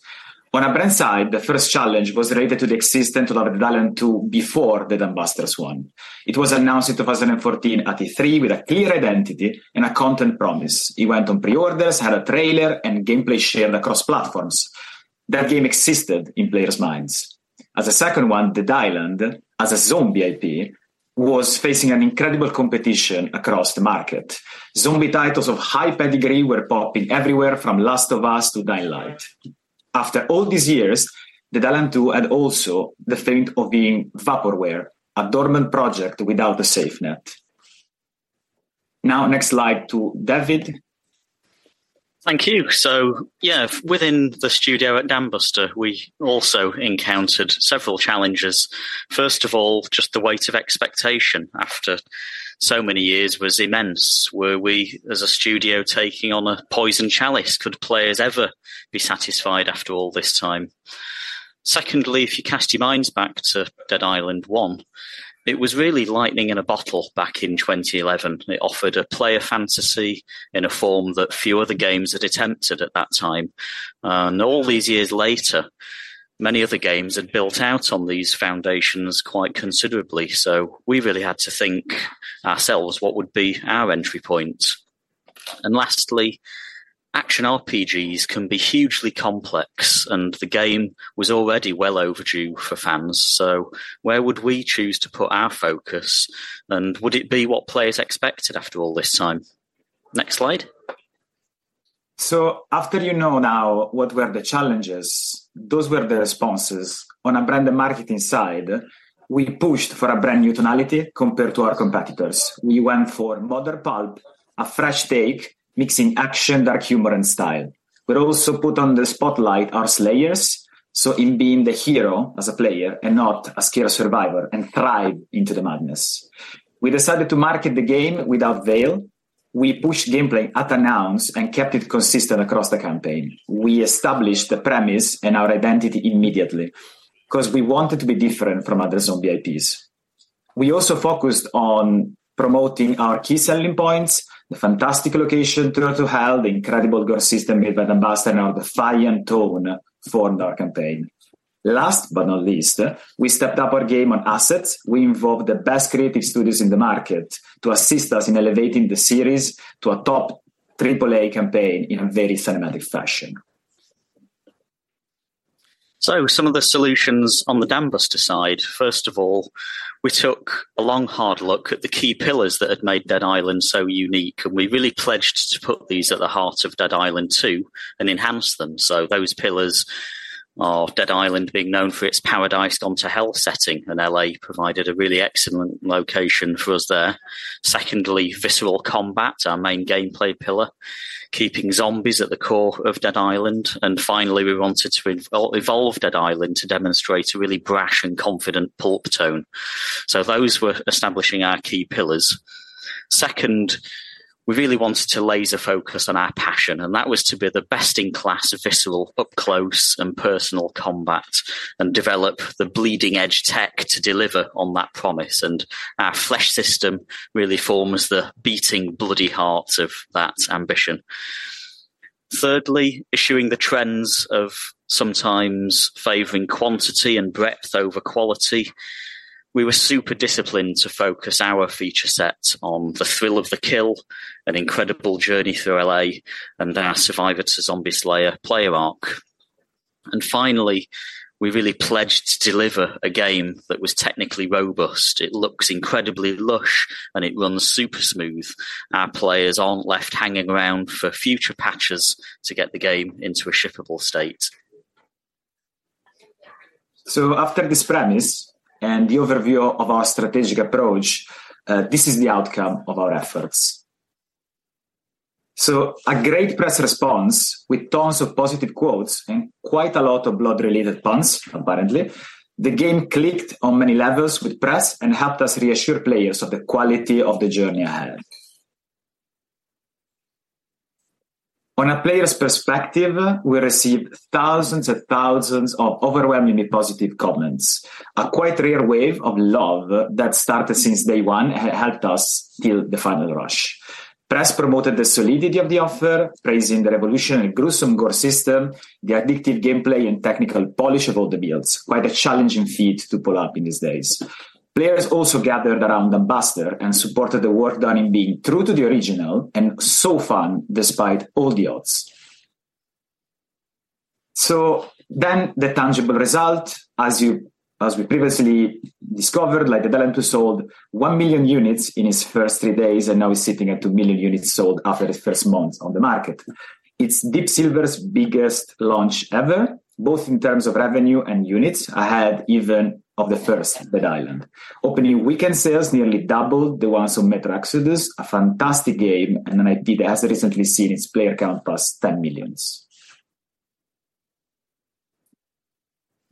On a brand side, the first challenge was related to the existence of Dead Island 2 before the Dambusters one. It was announced in 2014 at E3 with a clear identity and a content promise. It went on pre-orders, had a trailer, and gameplay shared across platforms. That game existed in players' minds. As a second one, Dead Island as a zombie IP was facing an incredible competition across the market. Zombie titles of high pedigree were popping everywhere from The Last of Us to Dying Light. After all these years, Dead Island 2 had also the faint of being vaporware, a dormant project without a safe net. Next slide to David. Thank you. Yeah, within the studio at Dambuster, we also encountered several challenges. First of all, just the weight of expectation after so many years was immense. Were we as a studio taking on a poisoned chalice? Could players ever be satisfied after all this time? Secondly, if you cast your minds back to Dead Island 1, it was really lightning in a bottle back in 2011. It offered a player fantasy in a form that few other games had attempted at that time. All these years later, many other games had built out on these foundations quite considerably. We really had to think ourselves what would be our entry point. Lastly, action RPGs can be hugely complex, and the game was already well overdue for fans. Where would we choose to put our focus, and would it be what players expected after all this time? Next slide. After you know now what were the challenges, those were the responses. On a brand and marketing side, we pushed for a brand new tonality compared to our competitors. We went for modern pulp, a fresh take, mixing action, dark humor, and style. We also put on the spotlight our slayers, so in being the hero as a player and not a scared survivor and thrive into the madness. We decided to market the game without veil. We pushed gameplay at announce and kept it consistent across the campaign. We established the premise and our identity immediately because we wanted to be different from other zombie IPs. We also focused on promoting our key selling points, the fantastic location to hell, the incredible girl system made by Dambuster and our defiant tone for our dark campaign. Last but not least, we stepped up our game on assets. We involved the best creative studios in the market to assist us in elevating the series to a top AAA campaign in a very cinematic fashion. Some of the solutions on the Dambuster side, first of all, we took a long hard look at the key pillars that had made Dead Island so unique, and we really pledged to put these at the heart of Dead Island 2 and enhance them. Those pillars are Dead Island being known for its paradise gone to hell setting, and L.A. provided a really excellent location for us there. Secondly, visceral combat, our main gameplay pillar, keeping zombies at the core of Dead Island. Finally, we wanted to evolve Dead Island to demonstrate a really brash and confident pulp tone. Those were establishing our key pillars. Second, we really wanted to laser focus on our passion, that was to be the best in class of visceral, up close and personal combat, and develop the bleeding edge tech to deliver on that promise. Our flesh system really forms the beating bloody heart of that ambition. Thirdly, issuing the trends of sometimes favoring quantity and breadth over quality. We were super disciplined to focus our feature set on the thrill of the kill, an incredible journey through L.A., and our survivor to zombie slayer player arc. Finally, we really pledged to deliver a game that was technically robust. It looks incredibly lush, and it runs super smooth. Our players aren't left hanging around for future patches to get the game into a shippable state. After this premise and the overview of our strategic approach, this is the outcome of our efforts. A great press response with tons of positive quotes and quite a lot of blood-related puns, apparently. The game clicked on many levels with press and helped us reassure players of the quality of the journey ahead. On a player's perspective, we received thousands and thousands of overwhelmingly positive comments. A quite rare wave of love that started since day one helped us feel the final rush. Press promoted the solidity of the offer, praising the revolutionary gruesome gore system, the addictive gameplay and technical polish of all the builds. Quite a challenging feat to pull up in these days. Players also gathered around the ambassador and supported the work done in being true to the original and so fun despite all the odds. The tangible result, as we previously discovered, like Dead Island sold 1 million units in its first three days and now is sitting at 2 million units sold after the first month on the market. It's Deep Silver's biggest launch ever, both in terms of revenue and units ahead even of the first Dead Island. Opening weekend sales nearly doubled the ones of Metro Exodus, a fantastic game, and an IP that has recently seen its player count +10 million.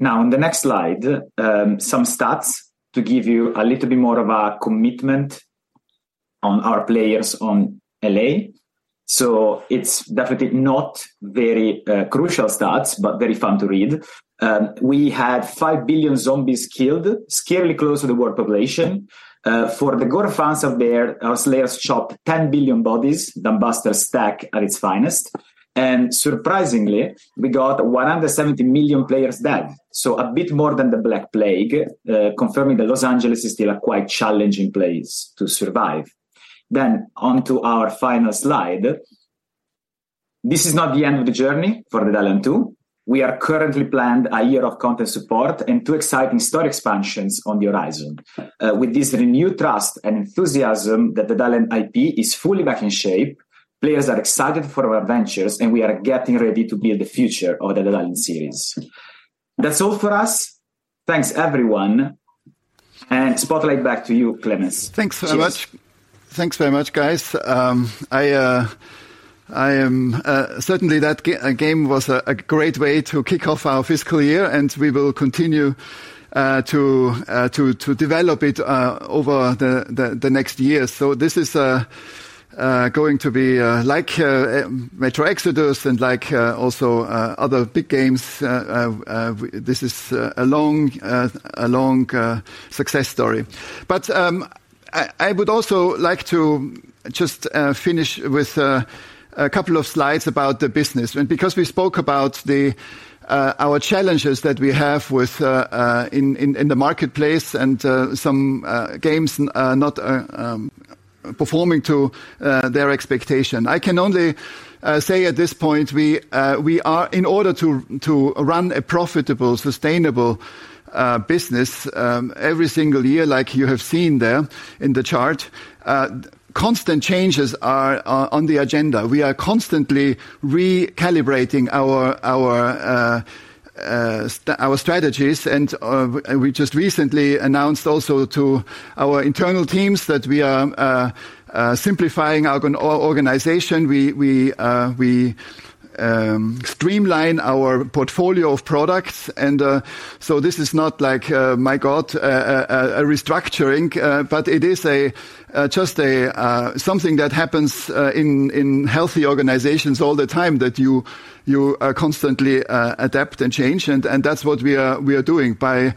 On the next slide, some stats to give you a little bit more of a commitment on our players on L.A. It's definitely not very crucial stats, but very fun to read. We had 5 billion zombies killed, scarily close to the world population. For the gore fans out there, our slayers chopped 10 billion bodies, the ambassador stack at its finest. Surprisingly, we got 170 million players dead. A bit more than the Black Plague, confirming that Los Angeles is still a quite challenging place to survive. On to our final slide. This is not the end of the journey for Dead Island 2. We are currently planned one year of content support and two exciting story expansions on the horizon. With this renewed trust and enthusiasm that Dead Island IP is fully back in shape, players are excited for our ventures, and we are getting ready to build the future of the Dead Island series. That's all for us. Thanks, everyone. Spotlight back to you, Klemens. Cheers. Thanks very much. Thanks very much, guys. I am certainly that game was a great way to kick off our fiscal year, and we will continue to develop it over the next year. This is going to be like Metro Exodus and like also other big games. This is a long success story. I would also like to just finish with a couple of slides about the business. Because we spoke about the our challenges that we have with in the marketplace and some games not performing to their expectation. I can only say at this point, we are in order to run a profitable, sustainable business, every single year like you have seen there in the chart, constant changes are on the agenda. We are constantly recalibrating our strategies and we just recently announced also to our internal teams that we are simplifying our organization. We streamline our portfolio of products. This is not like my God, a restructuring, but it is just something that happens in healthy organizations all the time that you constantly adapt and change. That's what we are doing by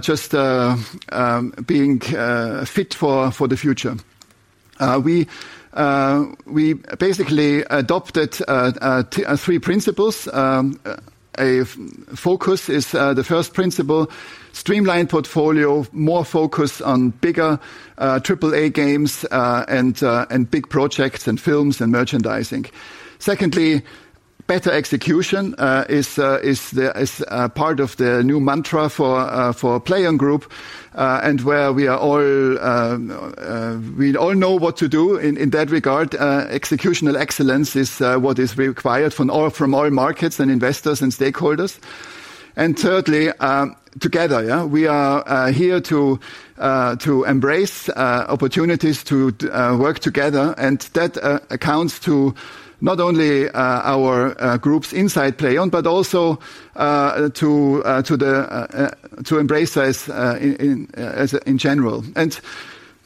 just being fit for the future. We basically adopted three principles. Focus is the first principle. Streamlined portfolio, more focus on bigger AAA games, and big projects and films and merchandising. Secondly, better execution is part of the new mantra for PLAION Group. Where we all know what to do in that regard. Executional excellence is what is required from all markets and investors and stakeholders. Thirdly, together, we are here to embrace opportunities to work together and that accounts to not only our groups inside PLAION but also to Embracer as in general.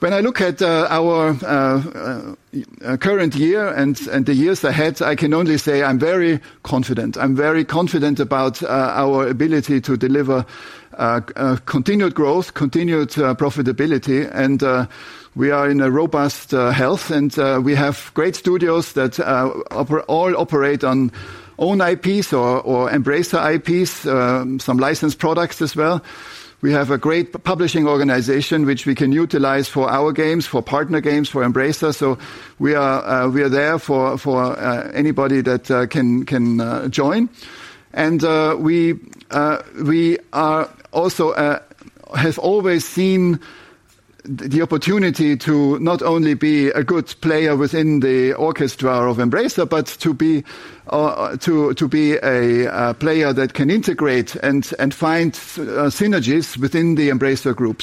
When I look at our current year and the years ahead, I can only say I'm very confident. I'm very confident about our ability to deliver continued growth, continued profitability, and we are in a robust health, and we have great studios that all operate on own IPs or Embracer IPs, some licensed products as well. We have a great publishing organization which we can utilize for our games, for partner games, for Embracer. We are there for anybody that can join. We are also have always seen the opportunity to not only be a good player within the orchestra of Embracer but to be a player that can integrate and find synergies within the Embracer Group.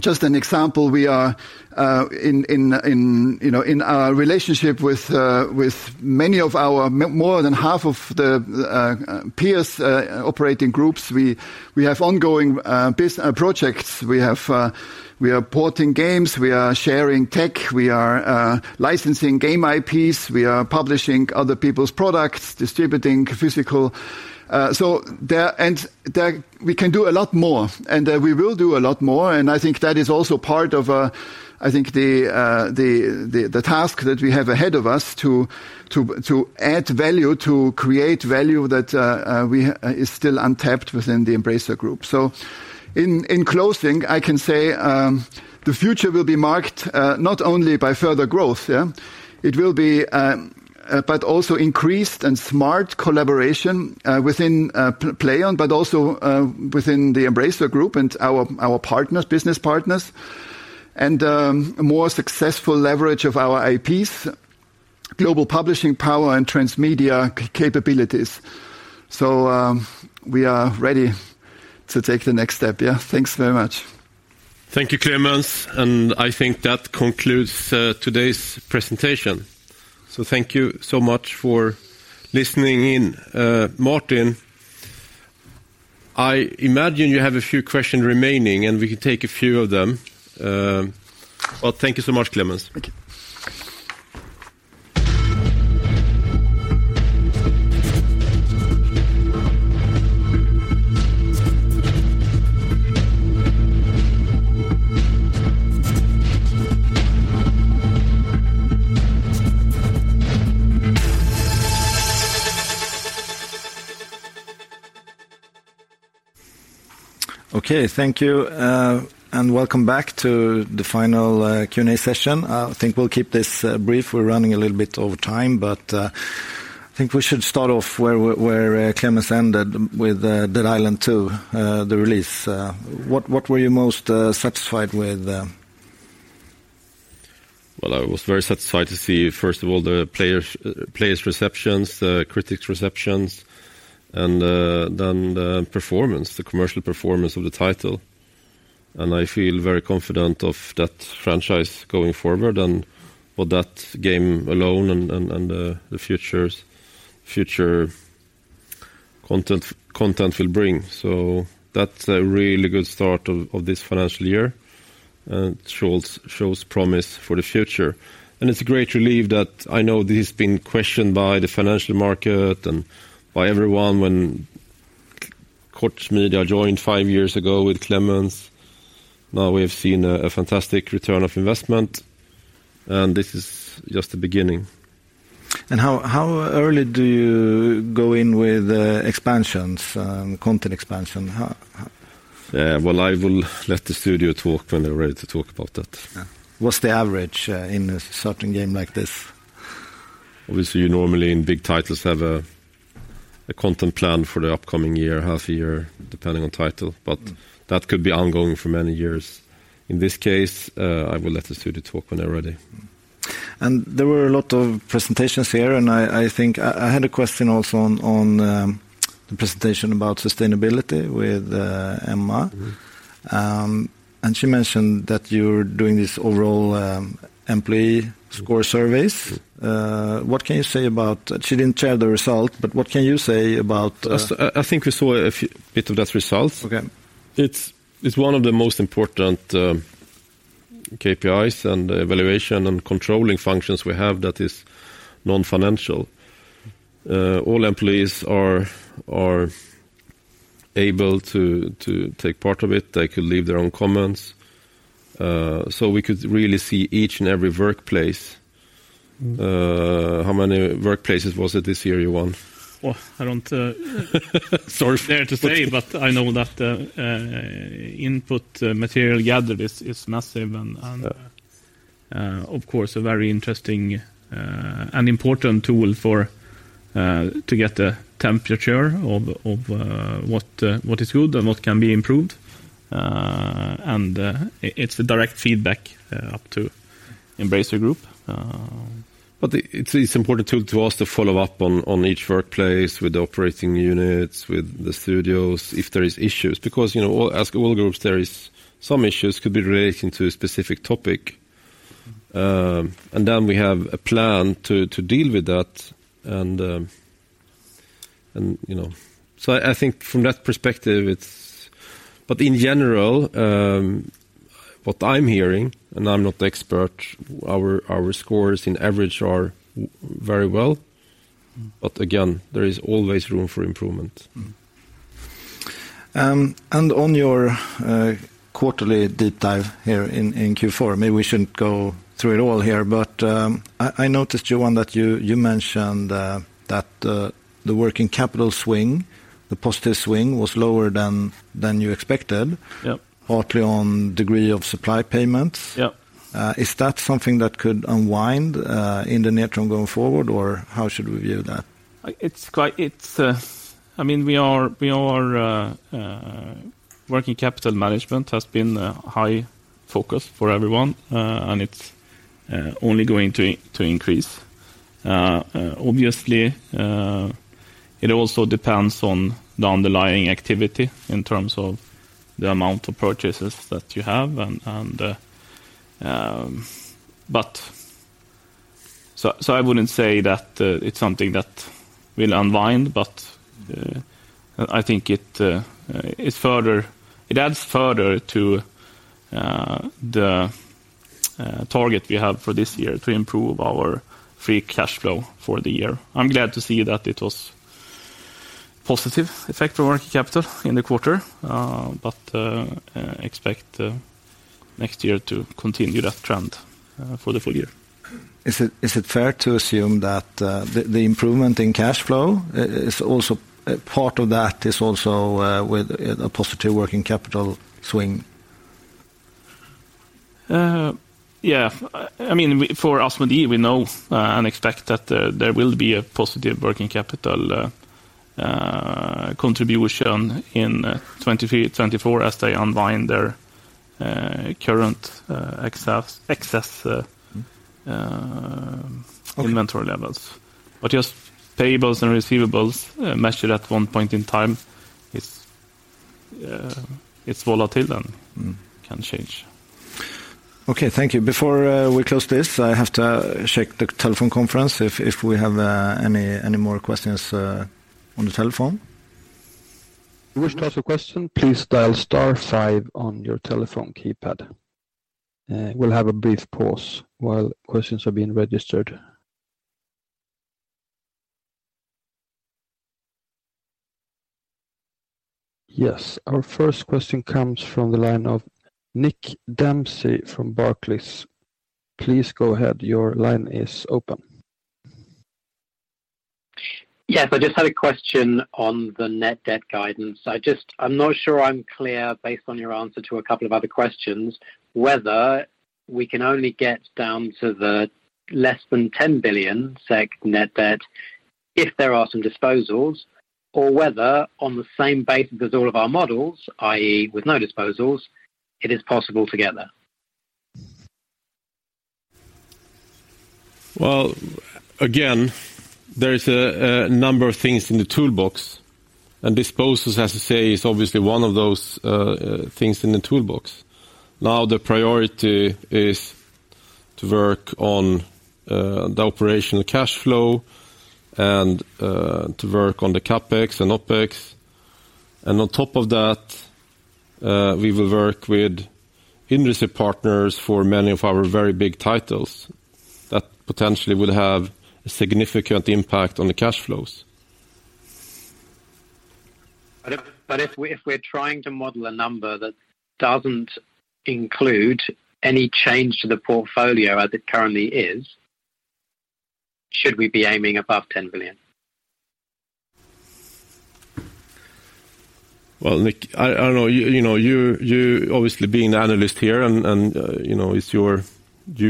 Just an example, we are in, you know, in our relationship with many of our more than half of the peers, operating groups, we have ongoing projects. We have, we are porting games, we are sharing tech, we are licensing game IPs, we are publishing other people's products, distributing physical. We can do a lot more. We will do a lot more, and I think that is also part of, I think the, the task that we have ahead of us to, to add value, to create value that is still untapped within the Embracer Group. In, in closing, I can say, the future will be marked, not only by further growth, yeah. It will be, but also increased and smart collaboration, within PLAION but also, within the Embracer Group and our partners, business partners, and more successful leverage of our IPs, global publishing power and transmedia capabilities. We are ready to take the next step, yeah. Thanks very much. Thank you, Klemens. I think that concludes today's presentation. Thank you so much for listening in. Martin, I imagine you have a few question remaining, and we can take a few of them. Thank you so much, Klemens. Thank you. Okay. Thank you, welcome back to the final Q&A session. I think we'll keep this brief. We're running a little bit over time, I think we should start off where Klemens ended with Dead Island 2, the release. What were you most satisfied with? Well, I was very satisfied to see, first of all, the players' receptions, the critics' receptions then the performance, the commercial performance of the title. I feel very confident of that franchise going forward and what that game alone and the future content will bring. That's a really good start of this financial year and shows promise for the future. It's a great relief that I know this has been questioned by the financial market and by everyone when Koch Media joined five years ago with Klemens. Now we have seen a fantastic return of investment, and this is just the beginning. How early do you go in with expansions, content expansion? How? Well, I will let the studio talk when they're ready to talk about that. Yeah. What's the average, in a certain game like this? Obviously, you normally in big titles have a content plan for the upcoming year, half a year, depending on title. That could be ongoing for many years. In this case, I will let the studio talk when they're ready. There were a lot of presentations here, and I think I had a question also on, the presentation about sustainability with Emma Ihre. Mm-hmm. She mentioned that you're doing this overall, employee score surveys. She didn't share the result, but what can you say about? I think we saw a few bit of that result. Okay. It's one of the most important KPIs and evaluation and controlling functions we have that is non-financial. All employees are able to take part of it. They could leave their own comments, so we could really see each and every workplace. How many workplaces was it this year, Johan? Well, I don't. Sorry. -dare to say, but I know that input material gathered is massive and, of course, a very interesting and important tool for to get a temperature of what is good and what can be improved. It's the direct feedback up to Embracer Group. It's, it's important to us to follow up on each workplace with the operating units, with the studios, if there is issues, because, you know, as all groups, there is some issues could be relating to a specific topic. We have a plan to deal with that and, you know. I think from that perspective, it's in general, what I'm hearing, and I'm not the expert, our scores in average are very well. Again, there is always room for improvement. On your quarterly deep dive here in Q4, maybe we shouldn't go through it all here, but I noticed, Johan, that you mentioned that the working capital swing, the positive swing was lower than you expected. Yep. Partly on degree of supply payments. Yep. Is that something that could unwind in the near term going forward? How should we view that? I mean, we are Working capital management has been a high focus for everyone, and it's only going to increase. Obviously, it also depends on the underlying activity in terms of the amount of purchases that you have. I wouldn't say that it's something that will unwind, but I think it adds further to the target we have for this year to improve our free cash flow for the year. I'm glad to see that it was positive effect for working capital in the quarter, but expect next year to continue that trend for the full year. Is it fair to assume that the improvement in cash flow is also a part of that with a positive working capital swing? Yeah. I mean, for Asmodee, we know and expect that there will be a positive working capital contribution in 2024 as they unwind their current excess inventory levels. Just payables and receivables, measured at one point in time, it's volatile and can change. Okay, thank you. Before we close this, I have to check the telephone conference if we have any more questions on the telephone. If you wish to ask a question, please dial star five on your telephone keypad. We'll have a brief pause while questions are being registered. Our first question comes from the line of Nick Dempsey from Barclays. Please go ahead. Your line is open. Yes. I just had a question on the net debt guidance. I'm not sure I'm clear based on your answer to a couple of other questions, whether we can only get down to the less than 10 billion SEK net debt if there are some disposals, or whether on the same basis as all of our models, i.e., with no disposals, it is possible to get there. Well, again, there is a number of things in the toolbox. Disposals, as I say, is obviously one of those things in the toolbox. The priority is to work on the operational cash flow and to work on the CapEx and OpEx. On top of that, we will work with industry partners for many of our very big titles that potentially would have a significant impact on the cash flows. If we're trying to model a number that doesn't include any change to the portfolio as it currently is, should we be aiming above 10 billion? Well, Nick, I don't know. You know, you're obviously being the analyst here and, you know, you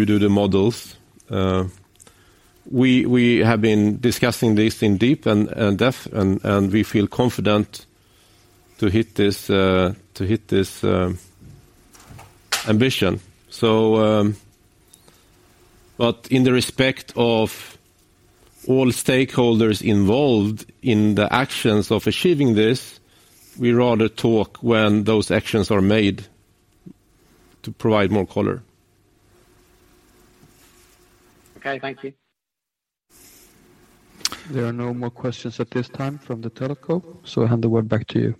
do the models. We have been discussing this in deep and depth and we feel confident to hit this to hit this ambition. In the respect of all stakeholders involved in the actions of achieving this, we'd rather talk when those actions are made to provide more color. Okay. Thank you. There are no more questions at this time from the teleco, so I hand the word back to you.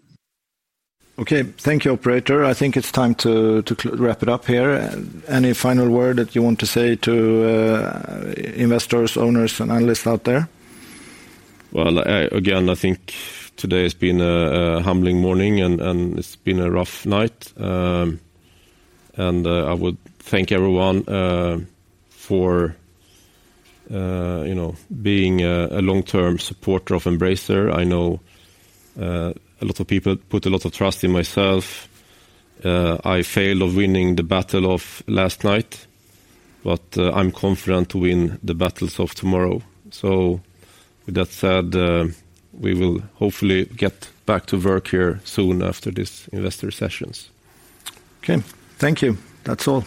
Okay. Thank you, operator. I think it's time to wrap it up here. Any final word that you want to say to investors, owners, and analysts out there? Well, again, I think today has been a humbling morning and it's been a rough night. I would thank everyone for, you know, being a long-term supporter of Embracer. I know, a lot of people put a lot of trust in myself. I failed of winning the battle of last night, but, I'm confident to win the battles of tomorrow. With that said, we will hopefully get back to work here soon after these investor sessions. Okay. Thank you. That's all.